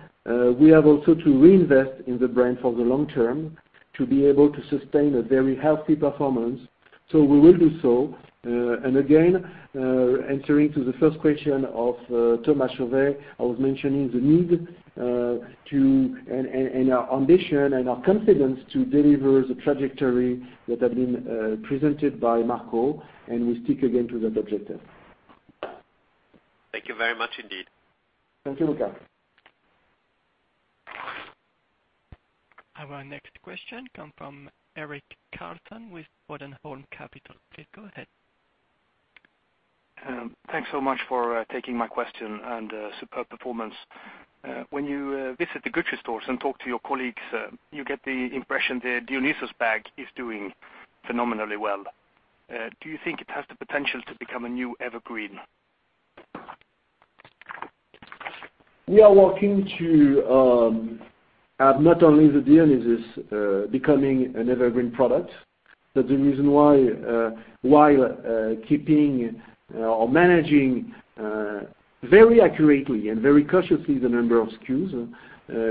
we have also to reinvest in the brand for the long term to be able to sustain a very healthy performance. We will do so. Again, answering to the first question of Thomas Chauvet, I was mentioning the need to, and our ambition and our confidence to deliver the trajectory that had been presented by Marco, and we stick again to that objective. Thank you very much indeed. Thank you, Luca. Our next question come from Erik Karlsson with Bodenholm Capital. Please go ahead. Thanks so much for taking my question, and superb performance. When you visit the Gucci stores and talk to your colleagues, you get the impression the Dionysus bag is doing phenomenally well. Do you think it has the potential to become a new evergreen? We are working to have not only the Dionysus becoming an evergreen product. That's the reason why keeping or managing very accurately and very cautiously the number of SKUs,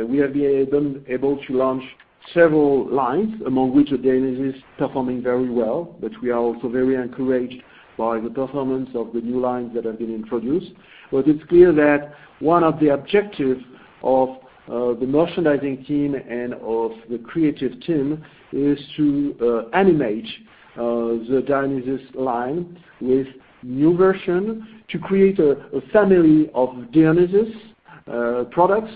we have been able to launch several lines, among which the Dionysus is performing very well. We are also very encouraged by the performance of the new lines that have been introduced. It's clear that one of the objective of the merchandising team and of the creative team is to animate the Dionysus line with new version to create a family of Dionysus products,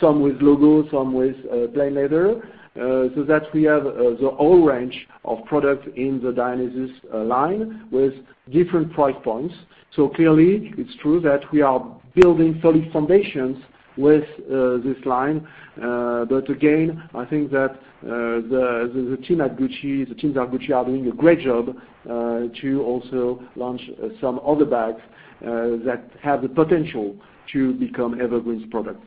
some with logo, some with plain leather, so that we have the whole range of products in the Dionysus line with different price points. Clearly, it's true that we are building solid foundations with this line. Again, I think that the teams at Gucci are doing a great job to also launch some other bags that have the potential to become evergreen products.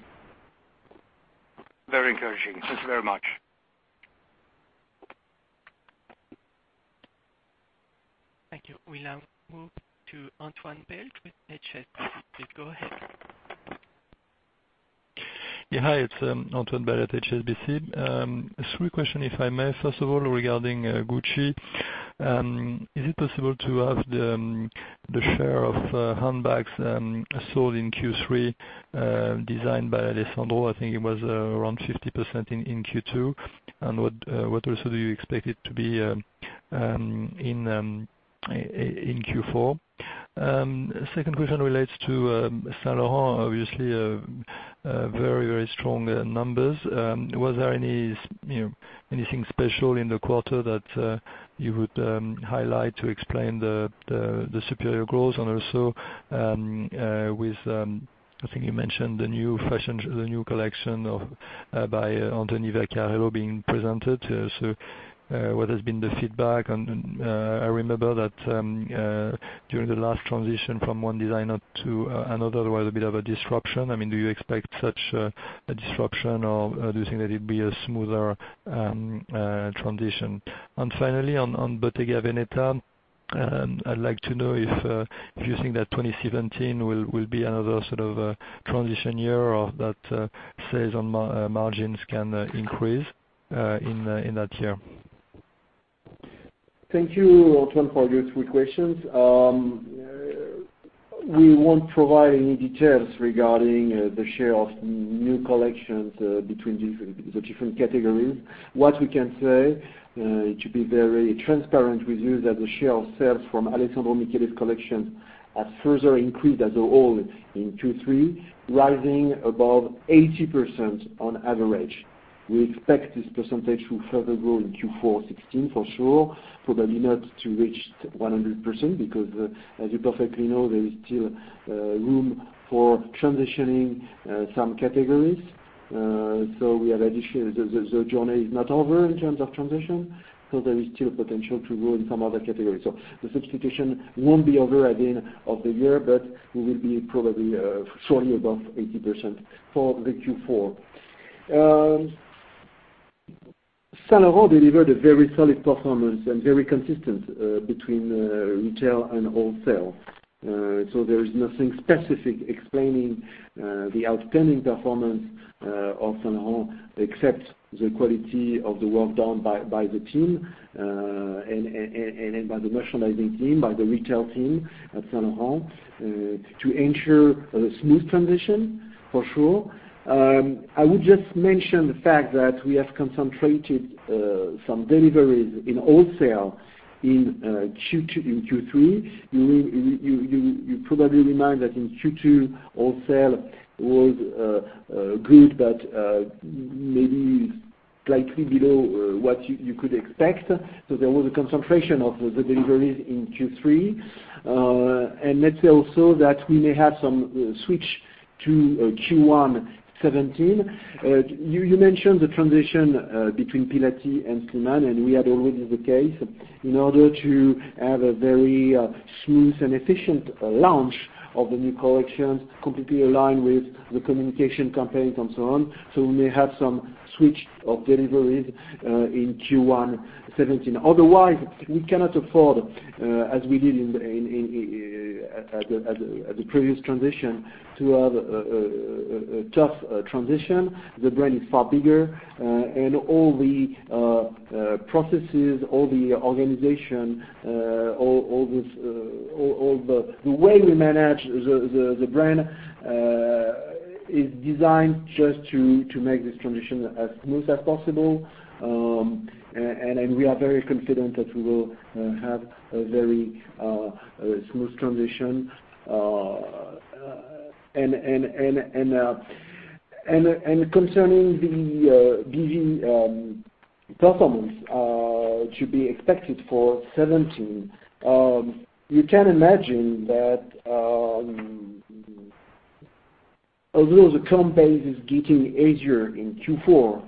Very encouraging. Thanks very much. Thank you. We'll now move to Antoine Belge with HSBC. Please go ahead. Hi, it's Antoine Belge at HSBC. Three question, if I may. First of all, regarding Gucci, is it possible to have the share of handbags sold in Q3, designed by Alessandro? I think it was around 50% in Q2. What also do you expect it to be in Q4? Second question relates to Saint Laurent, obviously very, very strong numbers. Was there anything special in the quarter that you would highlight to explain the superior growth? I think you mentioned the new collection by Anthony Vaccarello being presented. What has been the feedback? I remember that during the last transition from one designer to another, there was a bit of a disruption. Do you expect such a disruption, or do you think that it'd be a smoother transition? Finally, on Bottega Veneta, I'd like to know if you think that 2017 will be another sort of a transition year or that sales on margins can increase in that year. Thank you, Antoine, for your three questions. We won't provide any details regarding the share of new collections between the different categories. What we can say, to be very transparent with you, is that the share of sales from Alessandro Michele's collection has further increased as a whole in Q3, rising above 80% on average. We expect this percentage to further grow in Q4 2016, for sure, probably not to reach 100%, because as you perfectly know, there is still room for transitioning some categories. The journey is not over in terms of transition, so there is still potential to grow in some other categories. The substitution won't be over at the end of the year, but we will be probably shortly above 80% for the Q4. Saint Laurent delivered a very solid performance and very consistent between retail and wholesale. There is nothing specific explaining the outstanding performance of Saint Laurent except the quality of the work done by the team, and by the merchandising team, by the retail team at Saint Laurent, to ensure a smooth transition, for sure. I would just mention the fact that we have concentrated some deliveries in wholesale in Q3. You're probably remind that in Q2, wholesale was good, but maybe slightly below what you could expect. There was a concentration of the deliveries in Q3. Let's say also that we may have some switch to Q1 2017. You mentioned the transition between Pilati and Slimane, and we had already the case. In order to have a very smooth and efficient launch of the new collection, completely aligned with the communication campaigns and so on. We may have some switch of deliveries in Q1 2017. Otherwise, we cannot afford, as we did at the previous transition, to have a tough transition. The brand is far bigger. All the processes, all the organization, all the way we manage the brand, is designed just to make this transition as smooth as possible. We are very confident that we will have a very smooth transition. Concerning the BV performance to be expected for 2017. You can imagine that although the comp base is getting easier in Q4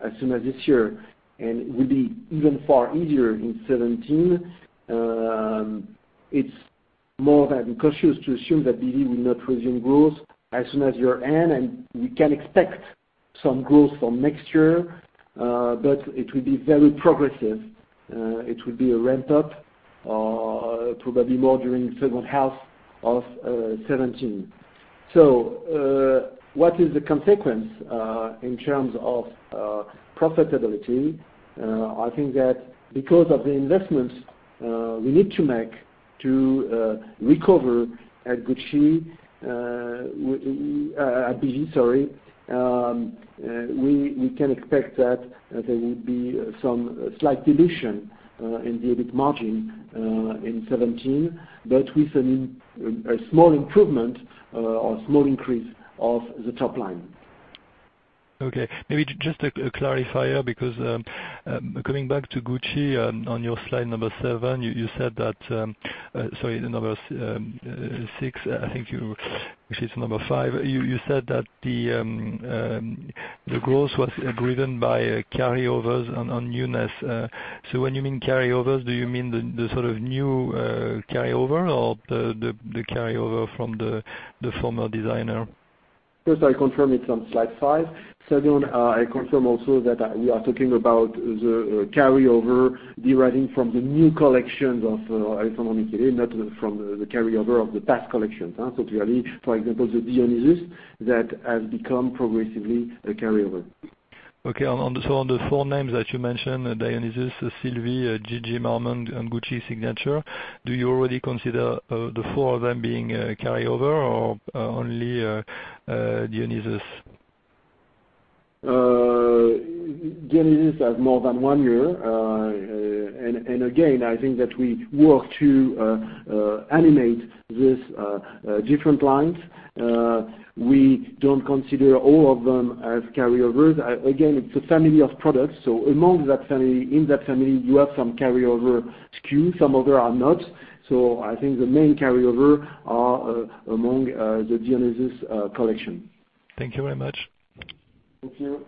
as soon as this year, and it will be even far easier in 2017, it's more than cautious to assume that BV will not resume growth as soon as year end, and we can expect some growth for next year. But it will be very progressive. It will be a ramp-up, probably more during second half of 2017. What is the consequence in terms of profitability? I think that because of the investments we need to make to recover at Gucci, at BV, sorry, we can expect that there will be some slight dilution in the EBIT margin in 2017, but with a small improvement or small increase of the top line. Okay. Maybe just a clarifier, coming back to Gucci, on your slide seven, you said that number six. Actually, it's number five. You said that the growth was driven by carryovers on newness. When you mean carryovers, do you mean the sort of new carryover or the carryover from the former designer? First, I confirm it's on slide five. Second, I confirm also that we are talking about the carryover deriving from the new collections of Alessandro Michele, not from the carryover of the past collections. Clearly, for example, the Dionysus that has become progressively a carryover. Okay. On the four names that you mentioned, Dionysus, Sylvie, GG, Marmont, and Gucci Signature, do you already consider the four of them being carryover or only Dionysus? Dionysus has more than one year. Again, I think that we work to animate these different lines. We don't consider all of them as carryovers. Again, it's a family of products. In that family, you have some carryover SKU, some other are not. I think the main carryover are among the Dionysus collection. Thank you very much. Thank you.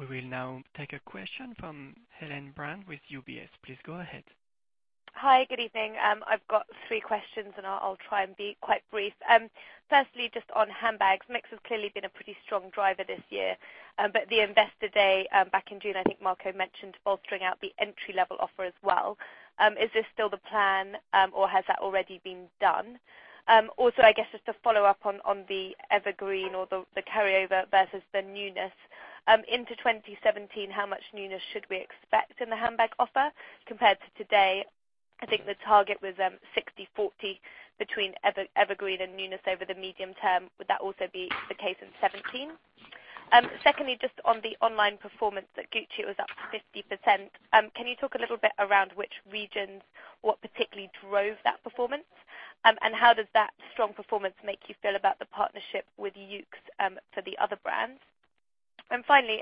We will now take a question from Helen Brand with UBS. Please go ahead. Hi, good evening. I've got three questions. I'll try and be quite brief. Firstly, just on handbags. Mix has clearly been a pretty strong driver this year. The investor day back in June, I think Marco mentioned bolstering out the entry-level offer as well. Is this still the plan, or has that already been done? I guess just to follow up on the evergreen or the carryover versus the newness. Into 2017, how much newness should we expect in the handbag offer compared to today? I think the target was, 60-40 between evergreen and newness over the medium term. Would that also be the case in 2017? Secondly, just on the online performance at Gucci, it was up 50%. Can you talk a little bit around which regions, what particularly drove that performance? How does that strong performance make you feel about the partnership with YOOX for the other brands? Finally,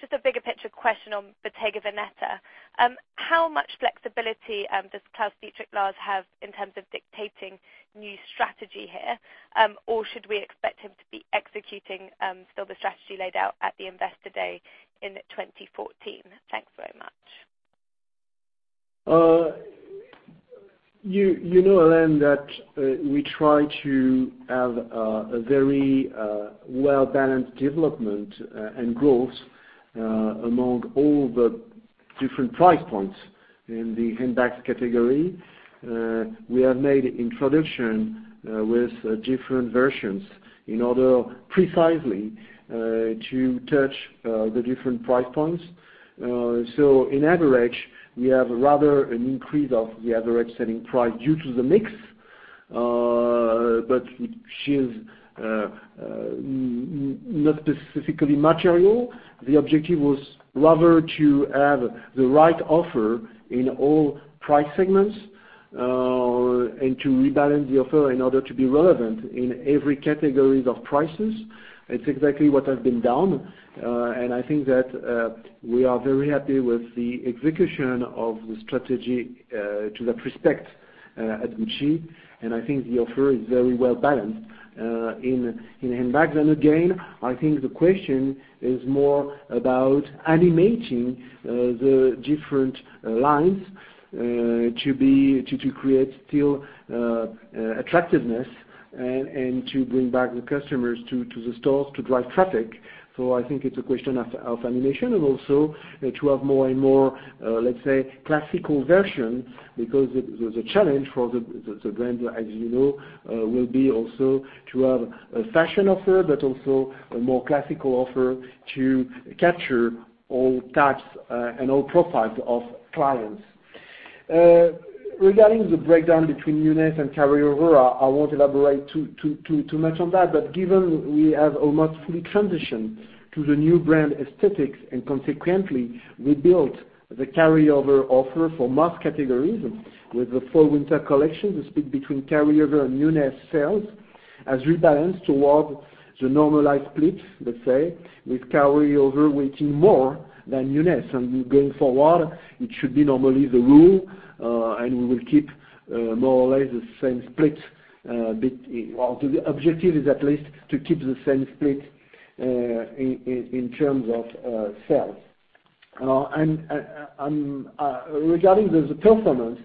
just a bigger picture question on Bottega Veneta. How much flexibility does Claus-Dietrich Lahrs have in terms of dictating new strategy here? Or should we expect him to be executing still the strategy laid out at the investor day in 2014? Thanks very much. You know, Helen, that we try to have a very well-balanced development and growth among all the different price points in the handbags category. We have made introduction with different versions in order precisely to touch the different price points. On average, we have rather an increase of the average selling price due to the mix, but she is not specifically material. The objective was rather to have the right offer in all price segments, to rebalance the offer in order to be relevant in every categories of prices. It's exactly what has been done. I think that we are very happy with the execution of the strategy to that respect at Gucci, and I think the offer is very well-balanced in handbag. Again, I think the question is more about animating the different lines, to create still attractiveness and to bring back the customers to the stores to drive traffic. I think it's a question of animation and also to have more and more, let's say, classical version, because the challenge for the brand, as you know, will be also to have a fashion offer, but also a more classical offer to capture all types, and all profiles of clients. Regarding the breakdown between newness and carryover, I won't elaborate too much on that. Given we have almost fully transitioned to the new brand aesthetics, and consequently rebuilt the carryover offer for most categories with the fall-winter collection, the split between carryover and newness sales has rebalanced towards the normalized split, let's say, with carryover weighing more than newness. Going forward, it should be normally the rule, and we will keep more or less the same split. The objective is at least to keep the same split in terms of sales. Regarding the performance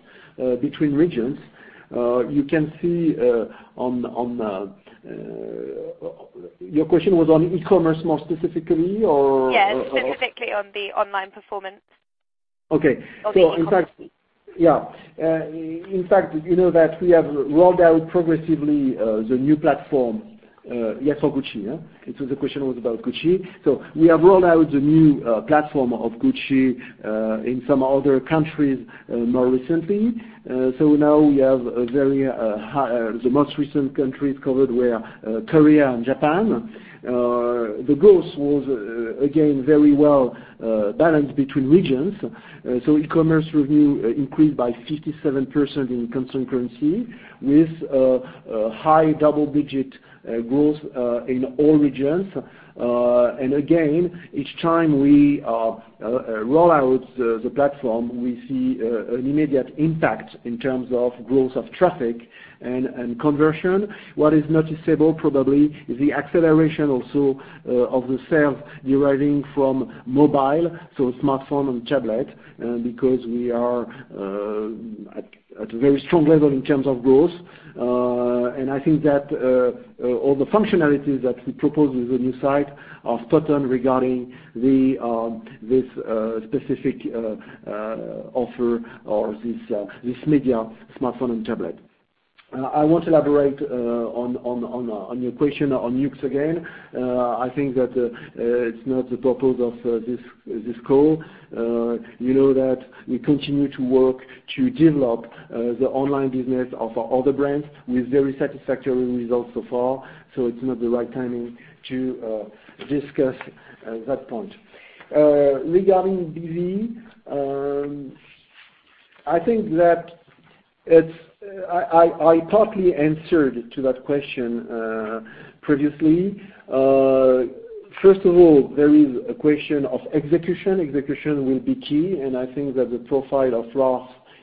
between regions, you can see on Your question was on e-commerce more specifically, or? Yes, specifically on the online performance. Okay. On e-commerce. In fact, you know that we have rolled out progressively the new platform, for Gucci. Because the question was about Gucci. We have rolled out the new platform of Gucci in some other countries more recently. Now we have the most recent countries covered were Korea and Japan. The growth was, again, very well-balanced between regions. E-commerce revenue increased by 57% in constant currency, with high double-digit growth in all regions. Again, each time we roll out the platform, we see an immediate impact in terms of growth of traffic and conversion. What is noticeable probably is the acceleration also of the sales deriving from mobile, so smartphone and tablet, because we are at a very strong level in terms of growth. I think that all the functionalities that we propose with the new site are spot on regarding this specific offer or this media smartphone and tablet. I won't elaborate on your question on YOOX again. I think that it's not the purpose of this call. You know that we continue to work to develop the online business of our other brands with very satisfactory results so far, so it's not the right timing to discuss that point. Regarding BV, I think that I partly answered to that question previously. First of all, there is a question of execution. Execution will be key, and I think that the profile of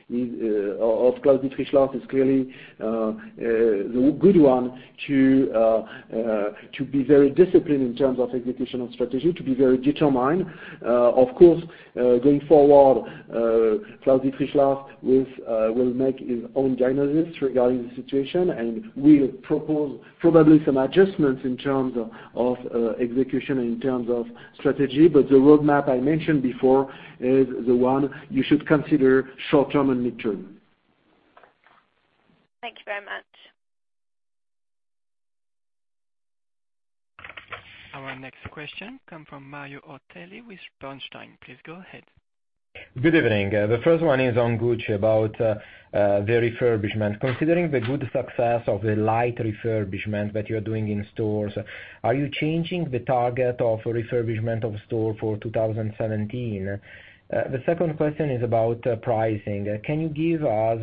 Claus-Dietrich Lahrs is clearly the good one to be very disciplined in terms of execution and strategy, to be very determined. Of course, going forward, Claus-Dietrich Lahrs will make his own diagnosis regarding the situation and will propose probably some adjustments in terms of execution and in terms of strategy. The roadmap I mentioned before is the one you should consider short-term and mid-term. Thank you very much. Our next question come from Mario Ortelli with Bernstein. Please go ahead. Good evening. The first one is on Gucci about the refurbishment. Considering the good success of the light refurbishment that you are doing in stores, are you changing the target of refurbishment of store for 2017? The second question is about pricing. Can you give us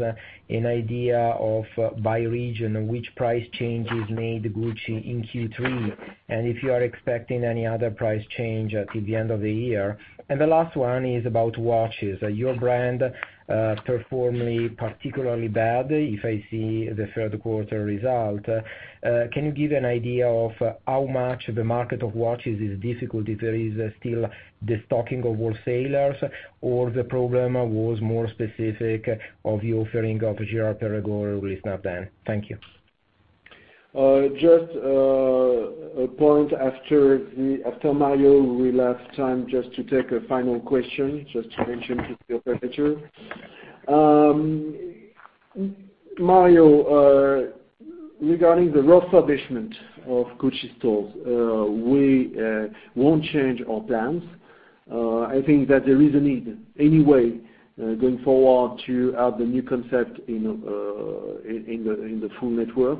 an idea of by region which price changes made Gucci in Q3, and if you are expecting any other price change at the end of the year? The last one is about watches. Your brand performed particularly bad if I see the third quarter result. Can you give an idea of how much the market of watches is difficult, if there is still destocking of wholesalers, or the problem was more specific of your offering of Girard-Perregaux with Ulysse Nardin? Thank you. Just a point after Mario, we will have time just to take a final question, just to mention to the operator. Mario, regarding the refurbishment of Gucci stores, we will not change our plans. I think that there is a need anyway going forward to add the new concept in the full network.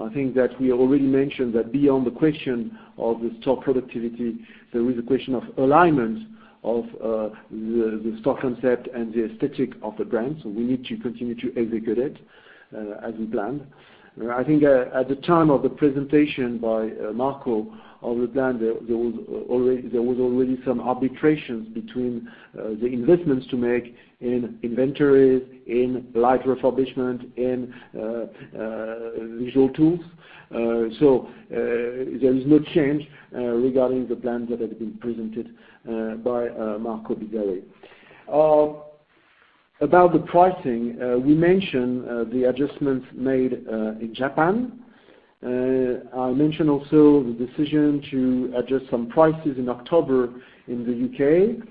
I think that we already mentioned that beyond the question of the store productivity, there is a question of alignment of the store concept and the aesthetic of the brand. We need to continue to execute it as we planned. I think at the time of the presentation by Marco of the plan, there was already some arbitrations between the investments to make in inventories, in light refurbishment, in visual tools. There is no change regarding the plans that had been presented by Marco Bizzarri. About the pricing, we mentioned the adjustments made in Japan. I mentioned also the decision to adjust some prices in October in the U.K.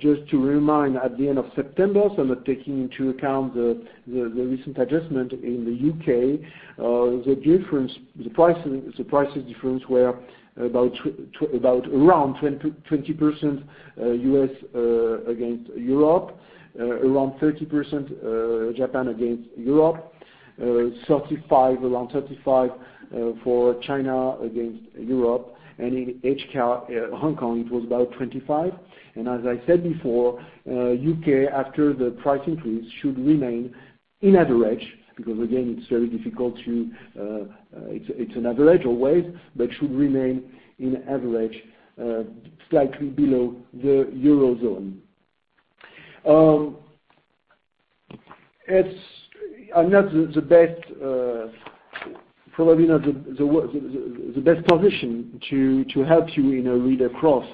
Just to remind, at the end of September, not taking into account the recent adjustment in the U.K., the prices difference were about around 20% U.S. against Europe, around 30% Japan against Europe, around 35 for China against Europe, and in Hong Kong, it was about 25. As I said before, U.K., after the price increase, should remain in average, because again, it is very difficult to It is an average always, but should remain in average slightly below the eurozone. I am not in the best position to help you read across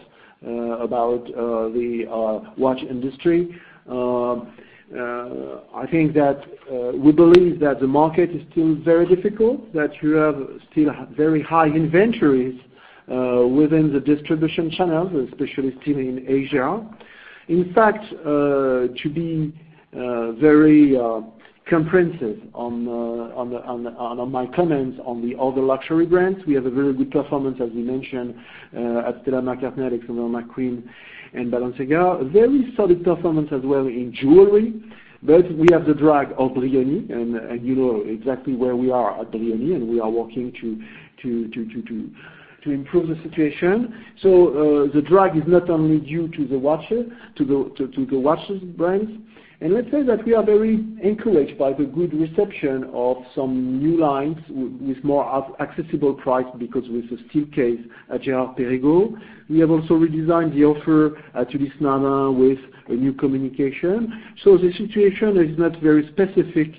about the watch industry. I think that we believe that the market is still very difficult, that you have still very high inventories within the distribution channels, especially still in Asia. In fact, to be very comprehensive on my comments on the other luxury brands, we have a very good performance, as we mentioned, at Stella McCartney, at Alexander McQueen and Balenciaga. Very solid performance as well in jewelry. We have the drag of Brioni, and you know exactly where we are at Brioni, and we are working to improve the situation. The drag is not only due to the watches brands. Let us say that we are very encouraged by the good reception of some new lines with more accessible price, because with the steel case at Girard-Perregaux. We have also redesigned the offer at Ulysse Nardin with a new communication. The situation is not very specific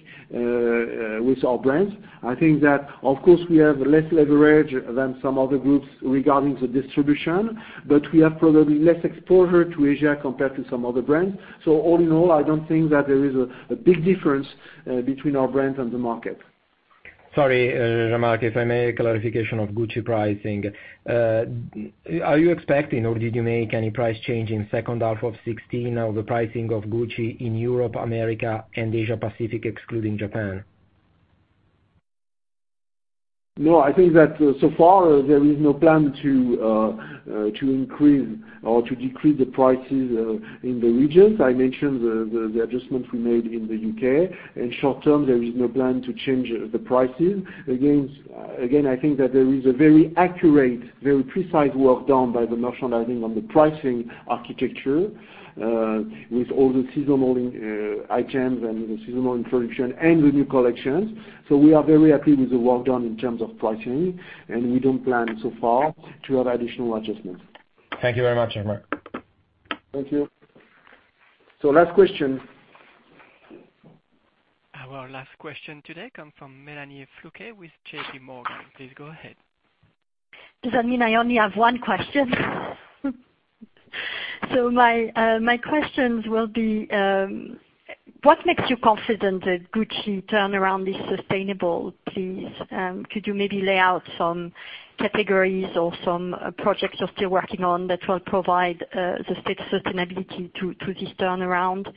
with our brands. I think that, of course, we have less leverage than some other groups regarding the distribution, but we have probably less exposure to Asia compared to some other brands. All in all, I don't think that there is a big difference between our brands and the market. Sorry, Jean-Marc, if I may, a clarification of Gucci pricing. Are you expecting or did you make any price change in second half of 2016 of the pricing of Gucci in Europe, America, and Asia-Pacific, excluding Japan? No, I think that so far there is no plan to increase or to decrease the prices in the regions. I mentioned the adjustments we made in the U.K. In short term, there is no plan to change the prices. Again, I think that there is a very accurate, very precise work done by the merchandising on the pricing architecture, with all the seasonal items and the seasonal introduction and the new collections. We are very happy with the work done in terms of pricing, and we don't plan so far to have additional adjustments. Thank you very much, Jean-Marc. Thank you. Last question. Our last question today comes from Melanie Flouquet with JPMorgan. Please go ahead. Does that mean I only have one question? My questions will be, what makes you confident that Gucci turnaround is sustainable, please? Could you maybe lay out some categories or some projects you are still working on that will provide the sustainability to this turnaround,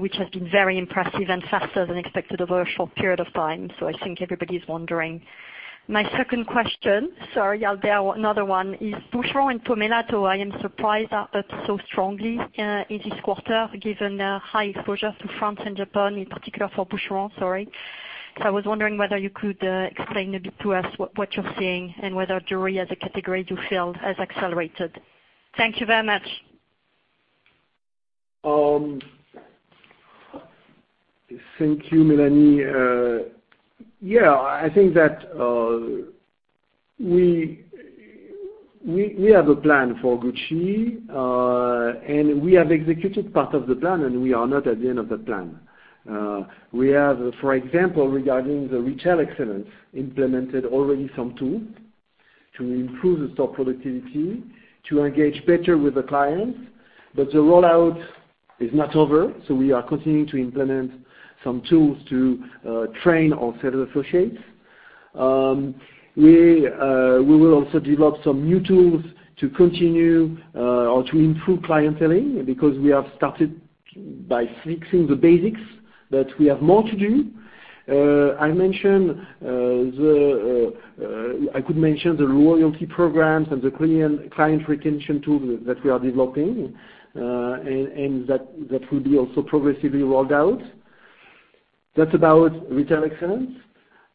which has been very impressive and faster than expected over a short period of time? I think everybody is wondering. My second question, sorry, I will bear another one, is Boucheron and Pomellato. I am surprised at that so strongly in this quarter, given the high exposure to France and Japan, in particular for Boucheron. Sorry. I was wondering whether you could explain a bit to us what you are seeing and whether jewelry as a category do you feel has accelerated. Thank you very much. Thank you, Melanie. Yeah, I think that we have a plan for Gucci, and we have executed part of the plan, and we are not at the end of the plan. We have, for example, regarding the retail excellence, implemented already some tools to improve the stock productivity, to engage better with the clients. The rollout is not over, so we are continuing to implement some tools to train our sales associates. We will also develop some new tools to continue or to improve clienteling, because we have started by fixing the basics, but we have more to do. I could mention the loyalty programs and the client retention tool that we are developing, and that will be also progressively rolled out. That is about retail excellence.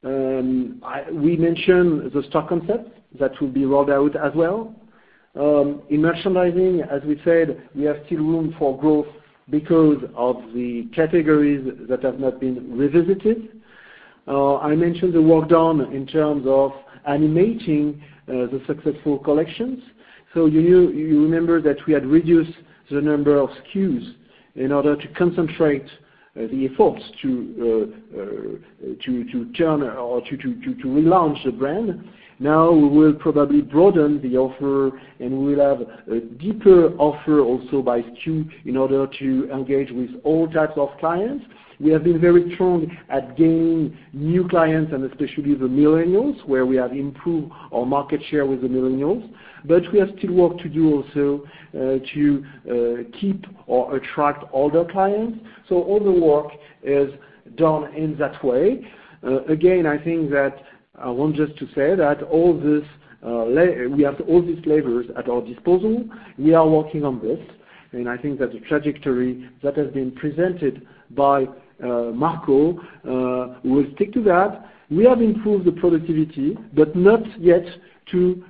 We mentioned the stock concept that will be rolled out as well. In merchandising, as we said, we have still room for growth because of the categories that have not been revisited. I mentioned the work done in terms of animating the successful collections. You remember that we had reduced the number of SKUs in order to concentrate the efforts to relaunch the brand. Now we will probably broaden the offer, and we will have a deeper offer also by SKU in order to engage with all types of clients. We have been very strong at gaining new clients and especially the millennials, where we have improved our market share with the millennials. We have still work to do also to keep or attract older clients. All the work is done in that way. Again, I think that I want just to say that we have all these levers at our disposal. We are working on this, I think that the trajectory that has been presented by Marco, we'll stick to that. We have improved the productivity, but not yet to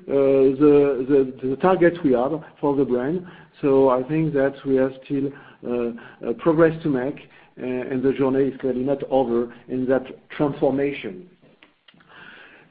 the targets we have for the brand. I think that we have still progress to make, and the journey is clearly not over in that transformation.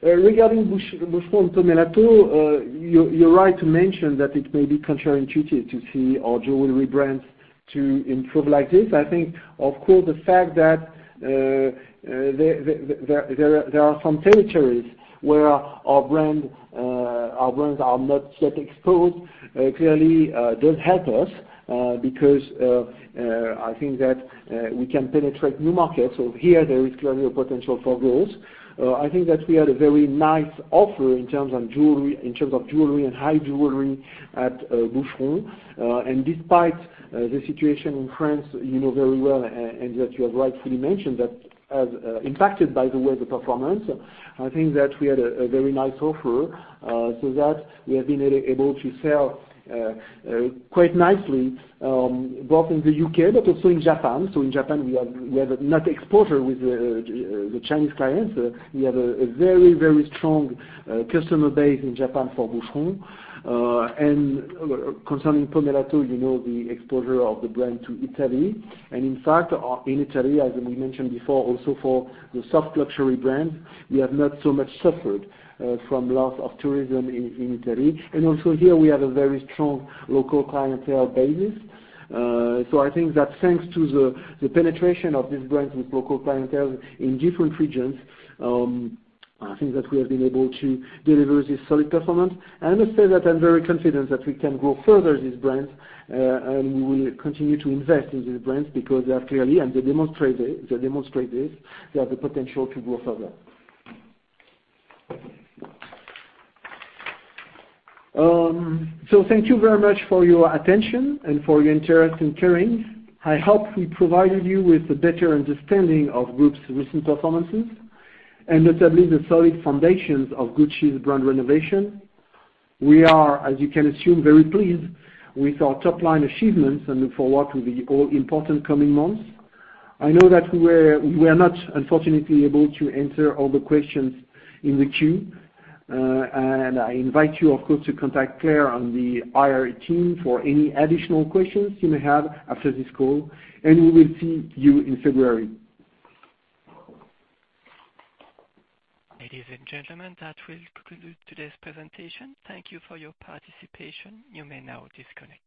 Regarding Boucheron and Pomellato, you're right to mention that it may be counterintuitive to see our jewelry brands to improve like this. I think, of course, the fact that there are some territories where our brands are not yet exposed, clearly does help us, because I think that we can penetrate new markets. Here, there is clearly a potential for growth. I think that we had a very nice offer in terms of jewelry and high jewelry at Boucheron. Despite the situation in France, you know very well, and that you have rightfully mentioned that has impacted, by the way, the performance, I think that we had a very nice offer so that we have been able to sell quite nicely both in the U.K., but also in Japan. In Japan, we have not exposure with the Chinese clients. We have a very strong customer base in Japan for Boucheron. Concerning Pomellato, you know the exposure of the brand to Italy. In fact, in Italy, as we mentioned before, also for the soft luxury brand, we have not so much suffered from loss of tourism in Italy. Also here we have a very strong local clientele base. I think that thanks to the penetration of these brands with local clientele in different regions, I think that we have been able to deliver this solid performance. I must say that I'm very confident that we can grow further these brands, and we will continue to invest in these brands because they are clearly, and they demonstrate this, they have the potential to grow further. Thank you very much for your attention and for your interest in Kering. I hope we provided you with a better understanding of group's recent performances, and notably the solid foundations of Gucci's brand renovation. We are, as you can assume, very pleased with our top-line achievements and look for what will be all-important coming months. I know that we were not, unfortunately, able to answer all the questions in the queue. I invite you, of course, to contact Claire on the IR team for any additional questions you may have after this call, and we will see you in February. Ladies and gentlemen, that will conclude today's presentation. Thank you for your participation. You may now disconnect.